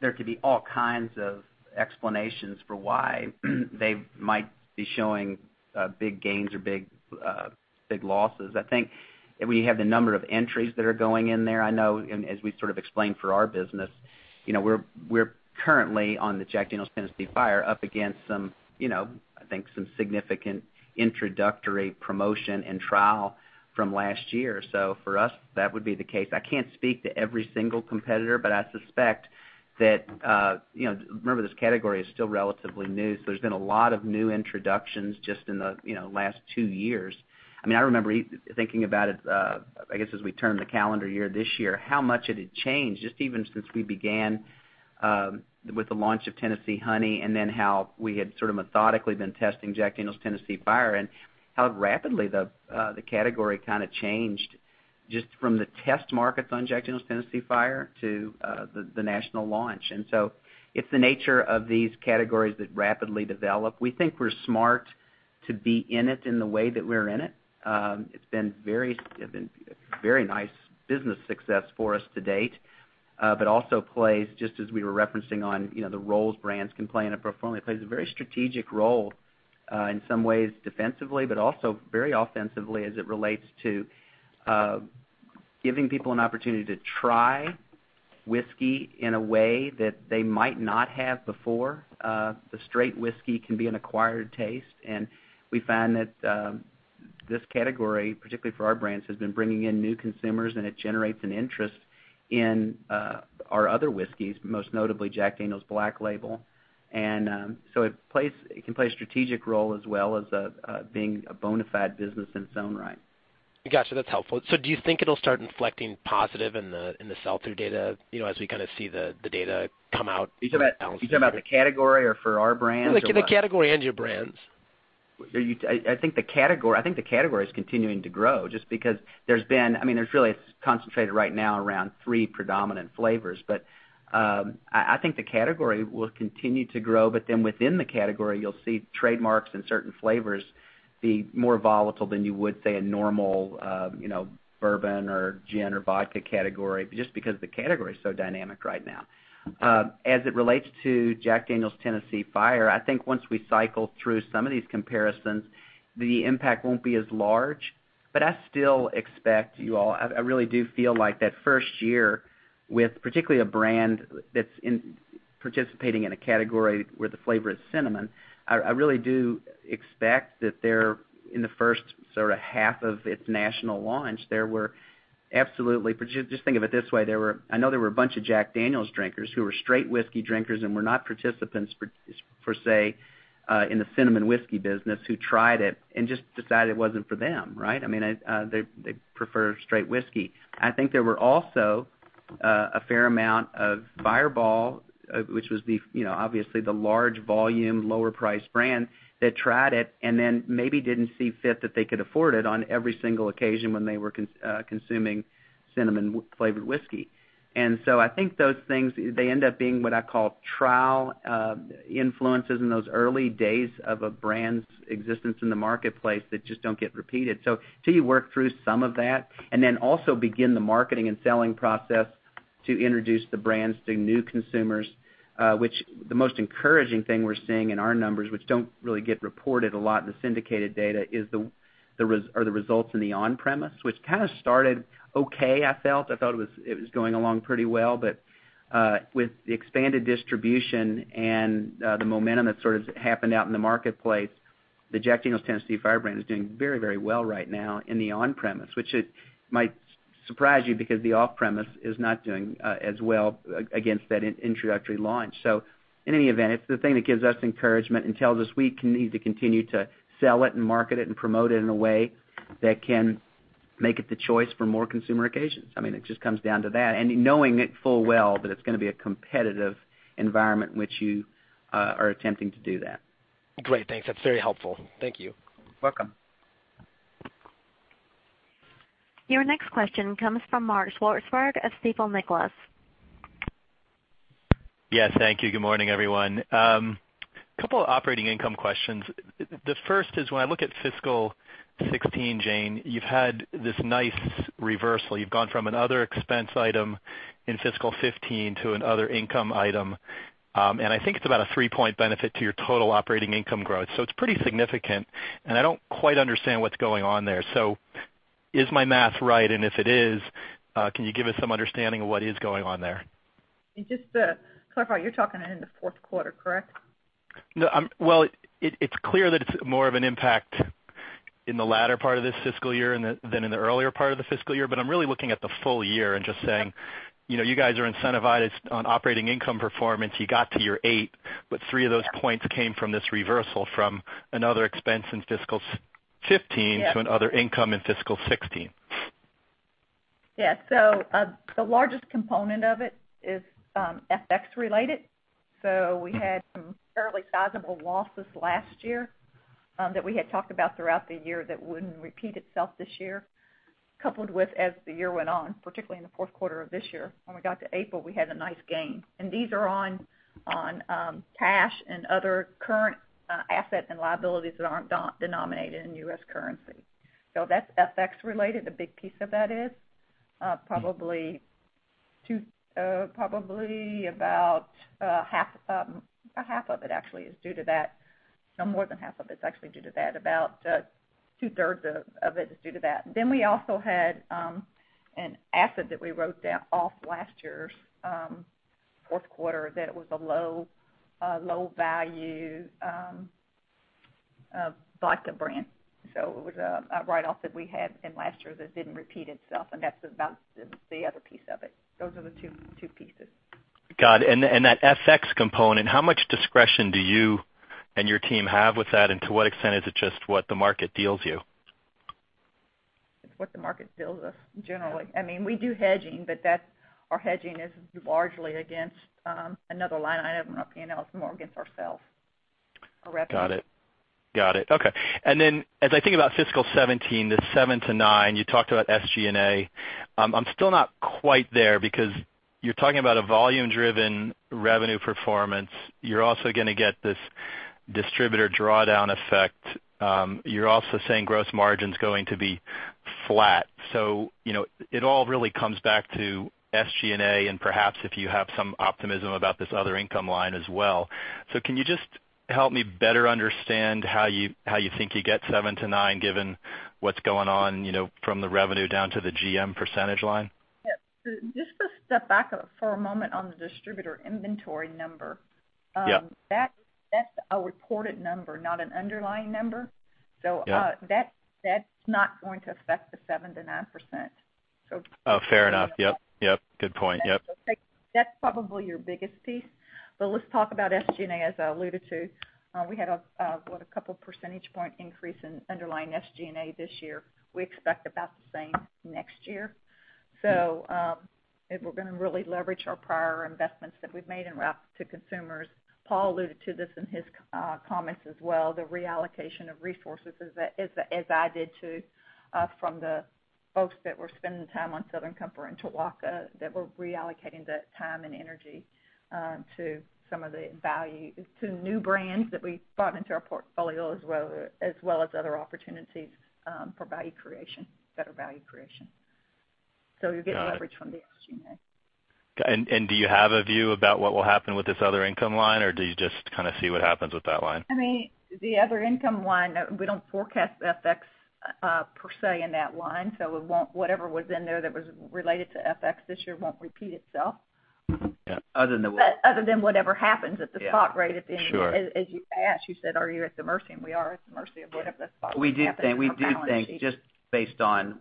There could be all kinds of explanations for why they might be showing big gains or big losses. I think we have the number of entries that are going in there. I know, and as we explained for our business, we're currently, on the Jack Daniel's Tennessee Fire, up against some, I think, some significant introductory promotion and trial from last year. For us, that would be the case. I can't speak to every single competitor, but I suspect that. Remember, this category is still relatively new, so there's been a lot of new introductions just in the last two years. I remember thinking about it, I guess, as we turned the calendar year this year, how much it had changed, just even since we began with the launch of Tennessee Honey, how we had methodically been testing Jack Daniel's Tennessee Fire, and how rapidly the category changed just from the test markets on Jack Daniel's Tennessee Fire to the national launch. So it's the nature of these categories that rapidly develop. We think we're smart to be in it in the way that we're in it. It's been very nice business success for us to date. Also plays, just as we were referencing on the roles brands can play in a portfolio, plays a very strategic role, in some ways defensively, but also very offensively as it relates to giving people an opportunity to try whiskey in a way that they might not have before. The straight whiskey can be an acquired taste, and we find that this category, particularly for our brands, has been bringing in new consumers, and it generates an interest in our other whiskeys, most notably Jack Daniel's Black Label. It can play a strategic role as well as being a bona fide business in its own right. Got you. That's helpful. Do you think it'll start inflecting positive in the sell-through data as we see the data come out? You talking about the category or for our brands or what? The category and your brands. I think the category is continuing to grow, just because there's really, it's concentrated right now around three predominant flavors. I think the category will continue to grow, then within the category, you'll see trademarks and certain flavors be more volatile than you would, say, a normal bourbon or gin or vodka category, just because the category is so dynamic right now. As it relates to Jack Daniel's Tennessee Fire, I think once we cycle through some of these comparisons, the impact won't be as large. I still expect you all, I really do feel like that first year with, particularly a brand that's participating in a category where the flavor is cinnamon, I really do expect that there, in the first half of its national launch, there were absolutely. Just think of it this way. I know there were a bunch of Jack Daniel's drinkers who were straight whiskey drinkers and were not participants, per se, in the cinnamon whiskey business who tried it and just decided it wasn't for them, right? They prefer straight whiskey. I think there were also a fair amount of Fireball, which was obviously the large volume, lower priced brand, that tried it and then maybe didn't see fit that they could afford it on every single occasion when they were consuming cinnamon flavored whiskey. I think those things, they end up being what I call trial influences in those early days of a brand's existence in the marketplace that just don't get repeated. Until you work through some of that, also begin the marketing and selling process to introduce the brands to new consumers, which the most encouraging thing we're seeing in our numbers, which don't really get reported a lot in the syndicated data, are the results in the on-premise, which kind of started okay, I felt. I felt it was going along pretty well. With the expanded distribution and the momentum that's happened out in the marketplace, the Jack Daniel's Tennessee Fire brand is doing very well right now in the on-premise, which it might surprise you because the off-premise is not doing as well against that introductory launch. In any event, it's the thing that gives us encouragement and tells us we need to continue to sell it and market it and promote it in a way that can make it the choice for more consumer occasions. It just comes down to that. Knowing it full well that it's going to be a competitive environment in which you are attempting to do that. Great. Thanks. That's very helpful. Thank you. Welcome. Your next question comes from Mark Swartzberg of Stifel, Nicolaus. Yes. Thank you. Good morning, everyone. Couple of operating income questions. The first is when I look at fiscal 2016, Jane, you've had this nice reversal. You've gone from another expense item in fiscal 2015 to another income item. I think it's about a three-point benefit to your total operating income growth. It's pretty significant, and I don't quite understand what's going on there. Is my math right? If it is, can you give us some understanding of what is going on there? Just to clarify, you're talking in the fourth quarter, correct? Well, it's clear that it's more of an impact in the latter part of this fiscal year than in the earlier part of the fiscal year. I'm really looking at the full year and just saying, you guys are incentivized on operating income performance. You got to your eight, but three of those points came from this reversal from another expense in fiscal 2015 to another income in fiscal 2016. The largest component of it is FX related. We had some fairly sizable losses last year that we had talked about throughout the year that wouldn't repeat itself this year, coupled with, as the year went on, particularly in the fourth quarter of this year, when we got to April, we had a nice gain. These are on cash and other current asset and liabilities that aren't denominated in U.S. currency. That's FX related, a big piece of that is. Probably about half of it, actually, is due to that. More than half of it's actually due to that. About two-thirds of it is due to that. We also had an asset that we wrote off last year's fourth quarter that was a low value vodka brand. It was a write-off that we had in last year that didn't repeat itself, and that's about the other piece of it. Those are the two pieces. Got it. That FX component, how much discretion do you and your team have with that and to what extent is it just what the market deals you? It's what the market deals us, generally. We do hedging, but our hedging is largely against another line item on P&L. It's more against ourself, our revenue. Got it. Okay. As I think about fiscal 2017, the seven to nine, you talked about SG&A. I'm still not quite there because you're talking about a volume driven revenue performance. You're also going to get this distributor drawdown effect. You're also saying gross margin's going to be flat. It all really comes back to SG&A and perhaps if you have some optimism about this other income line as well. Can you just help me better understand how you think you get seven to nine, given what's going on from the revenue down to the GM percentage line? Yeah. Just to step back for a moment on the distributor inventory number. Yeah. That's a reported number, not an underlying number. Yeah. That's not going to affect the 7%-9%. Fair enough. Yep. Good point. Yep. That's probably your biggest piece. Let's talk about SG&A, as I alluded to. We had a couple percentage point increase in underlying SG&A this year. We expect about the same next year. We're going to really leverage our prior investments that we've made in route to consumers. Paul alluded to this in his comments as well, the reallocation of resources, as I did too, from the folks that were spending time on Southern Comfort and Tuaca, that we're reallocating that time and energy to new brands that we've brought into our portfolio, as well as other opportunities for better value creation. You're getting leverage from the SG&A. Do you have a view about what will happen with this other income line, or do you just kind of see what happens with that line? The other income line, we don't forecast FX per se in that line. Whatever was in there that was related to FX this year won't repeat itself. Yeah. Other than what. Other than whatever happens at the spot rate at the end of the year. Sure. As you asked, you said, "Are you at the mercy?" We are at the mercy of whatever the spot rate happens in our balance sheet. We do think, just based on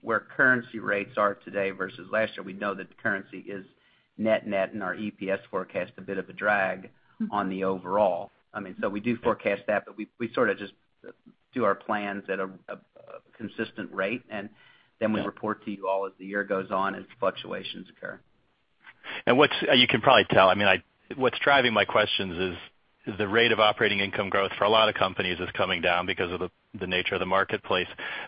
where currency rates are today versus last year, we know that the currency is net in our EPS forecast, a bit of a drag on the overall. We do forecast that, but we sort of just do our plans at a consistent rate, and then we report to you all as the year goes on and fluctuations occur. You can probably tell, what's driving my questions is, the rate of operating income growth for a lot of companies is coming down because of the nature of the marketplace.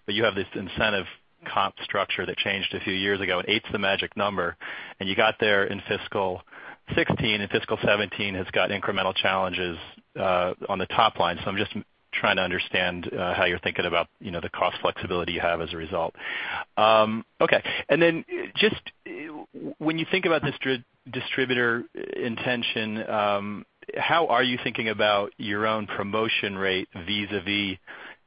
You have this incentive comp structure that changed a few years ago, and eight's the magic number. You got there in fiscal 2016, and fiscal 2017 has got incremental challenges on the top line. I'm just trying to understand how you're thinking about the cost flexibility you have as a result. Okay. When you think about distributor incentives, how are you thinking about your own promotion rate vis-a-vis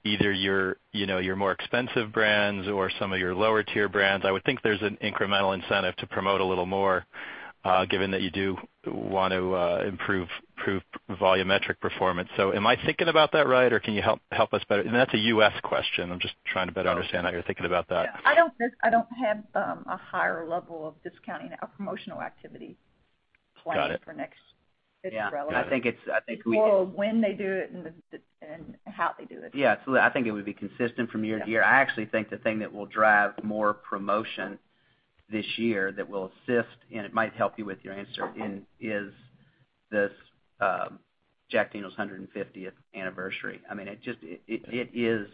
either your more expensive brands or some of your lower tier brands? I would think there's an incremental incentive to promote a little more, given that you do want to improve volumetric performance. Am I thinking about that right, or can you help us? That's a U.S. question. I'm just trying to better understand how you're thinking about that. Yeah. I don't have a higher level of discounting our promotional activity planned for next fiscal relative. Yeah. I think it's More when they do it than how they do it. Yeah, absolutely. I think it would be consistent from year to year. I actually think the thing that will drive more promotion this year that will assist, and it might help you with your answer, is this Jack Daniel's 150th anniversary. It is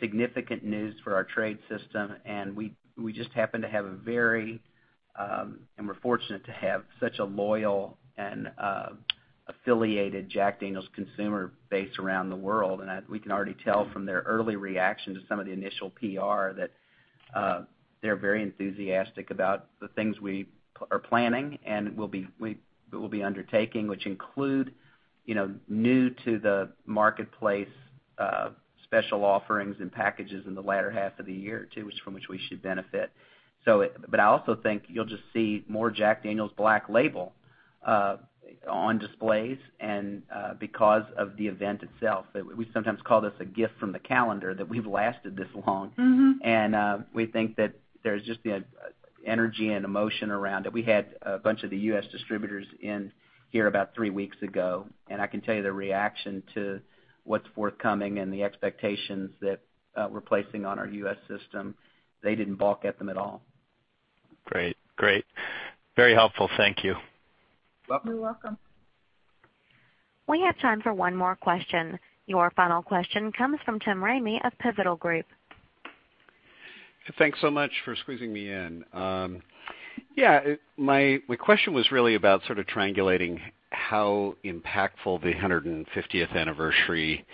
significant news for our trade system, and we're fortunate to have such a loyal and affiliated Jack Daniel's consumer base around the world. We can already tell from their early reaction to some of the initial PR that they're very enthusiastic about the things we are planning and we'll be undertaking, which include new to the marketplace special offerings and packages in the latter half of the year, too, from which we should benefit. I also think you'll just see more Jack Daniel's Black Label on displays and because of the event itself. We sometimes call this a gift from the calendar that we've lasted this long. We think that there's just the energy and emotion around it. We had a bunch of the U.S. distributors in here about three weeks ago, and I can tell you the reaction to what's forthcoming and the expectations that we're placing on our U.S. system, they didn't balk at them at all. Great. Very helpful. Thank you. You're welcome. You're welcome. We have time for one more question. Your final question comes from Tim Ramey of Pivotal Research Group. Thanks so much for squeezing me in. Yeah, my question was really about sort of triangulating how impactful the 150th anniversary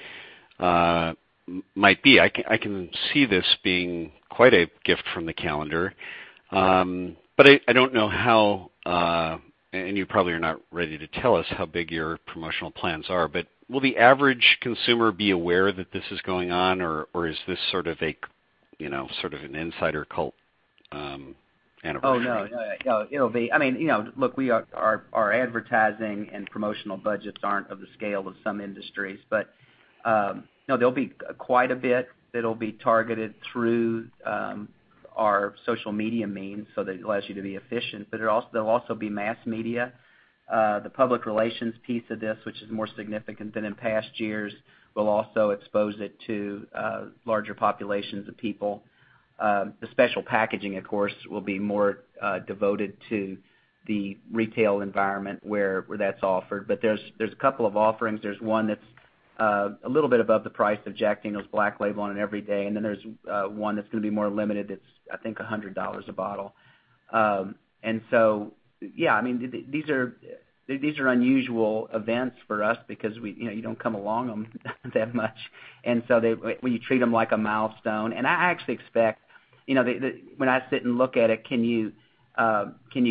might be. I can see this being quite a gift from the calendar. I don't know how, and you probably are not ready to tell us how big your promotional plans are, but will the average consumer be aware that this is going on? Is this sort of an insider cult anniversary? Oh, no. Our advertising and promotional budgets aren't of the scale of some industries, but no, there'll be quite a bit that'll be targeted through our social media means, so that it allows you to be efficient, but there'll also be mass media. The public relations piece of this, which is more significant than in past years, will also expose it to larger populations of people. The special packaging, of course, will be more devoted to the retail environment where that's offered. There's a couple of offerings. There's one that's a little bit above the price of Jack Daniel's Black Label on an everyday, and then there's one that's going to be more limited that's I think $100 a bottle. Yeah, these are unusual events for us because you don't come along them that much. We treat them like a milestone, and I actually expect, when I sit and look at it, can you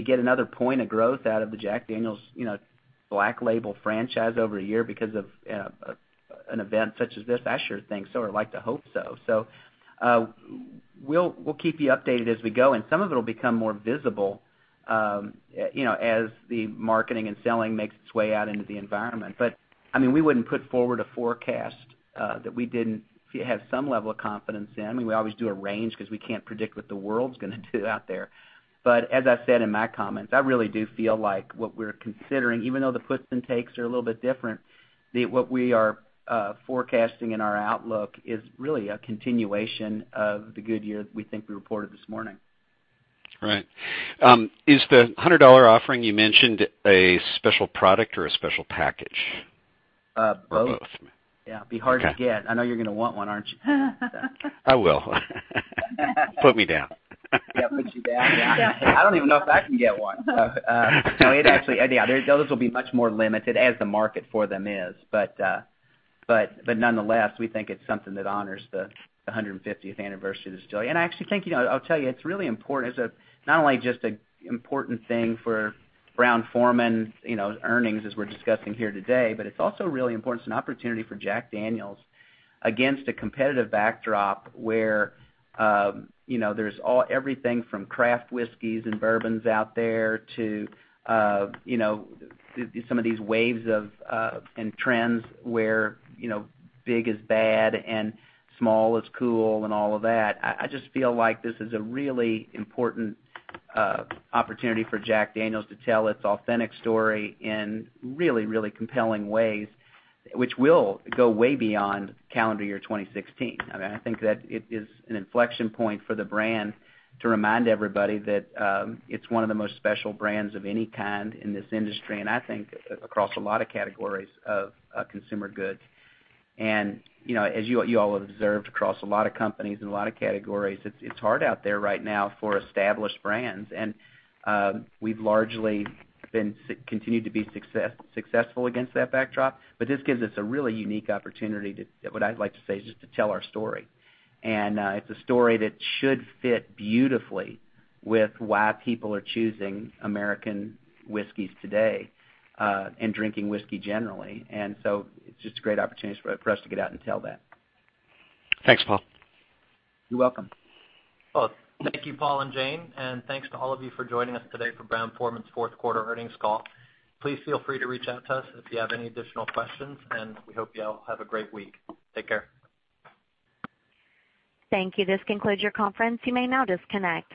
get another point of growth out of the Jack Daniel's Black Label franchise over a year because of an event such as this? I sure think so. I'd like to hope so. We'll keep you updated as we go, and some of it'll become more visible as the marketing and selling makes its way out into the environment. We wouldn't put forward a forecast that we didn't have some level of confidence in. We always do a range because we can't predict what the world's going to do out there. As I said in my comments, I really do feel like what we're considering, even though the puts and takes are a little bit different, that what we are forecasting in our outlook is really a continuation of the good year that we think we reported this morning. Right. Is the $100 offering you mentioned a special product or a special package? Both. Both. Yeah. It'd be hard to get. I know you're going to want one, aren't you? I will. Put me down. Yeah. Put you down. Yeah. I don't even know if I can get one. Those will be much more limited as the market for them is. Nonetheless, we think it's something that honors the 150th anniversary of distillery. I actually think, I'll tell you, it's really important. It's not only just an important thing for Brown-Forman's earnings as we're discussing here today, but it's also really important as an opportunity for Jack Daniel's against a competitive backdrop where there's everything from craft whiskeys and bourbons out there to some of these waves and trends where big is bad and small is cool and all of that. I just feel like this is a really important opportunity for Jack Daniel's to tell its authentic story in really compelling ways, which will go way beyond calendar year 2016. I think that it is an inflection point for the brand to remind everybody that it's one of the most special brands of any kind in this industry, and I think across a lot of categories of consumer goods. As you all observed across a lot of companies and a lot of categories, it's hard out there right now for established brands. This gives us a really unique opportunity to, what I'd like to say, is just to tell our story. It's a story that should fit beautifully with why people are choosing American whiskeys today, and drinking whiskey generally. It's just a great opportunity for us to get out and tell that. Thanks, Paul. You're welcome. Folks, thank you, Paul and Jane, and thanks to all of you for joining us today for Brown-Forman's fourth quarter earnings call. Please feel free to reach out to us if you have any additional questions, and we hope you all have a great week. Take care. Thank you. This concludes your conference. You may now disconnect.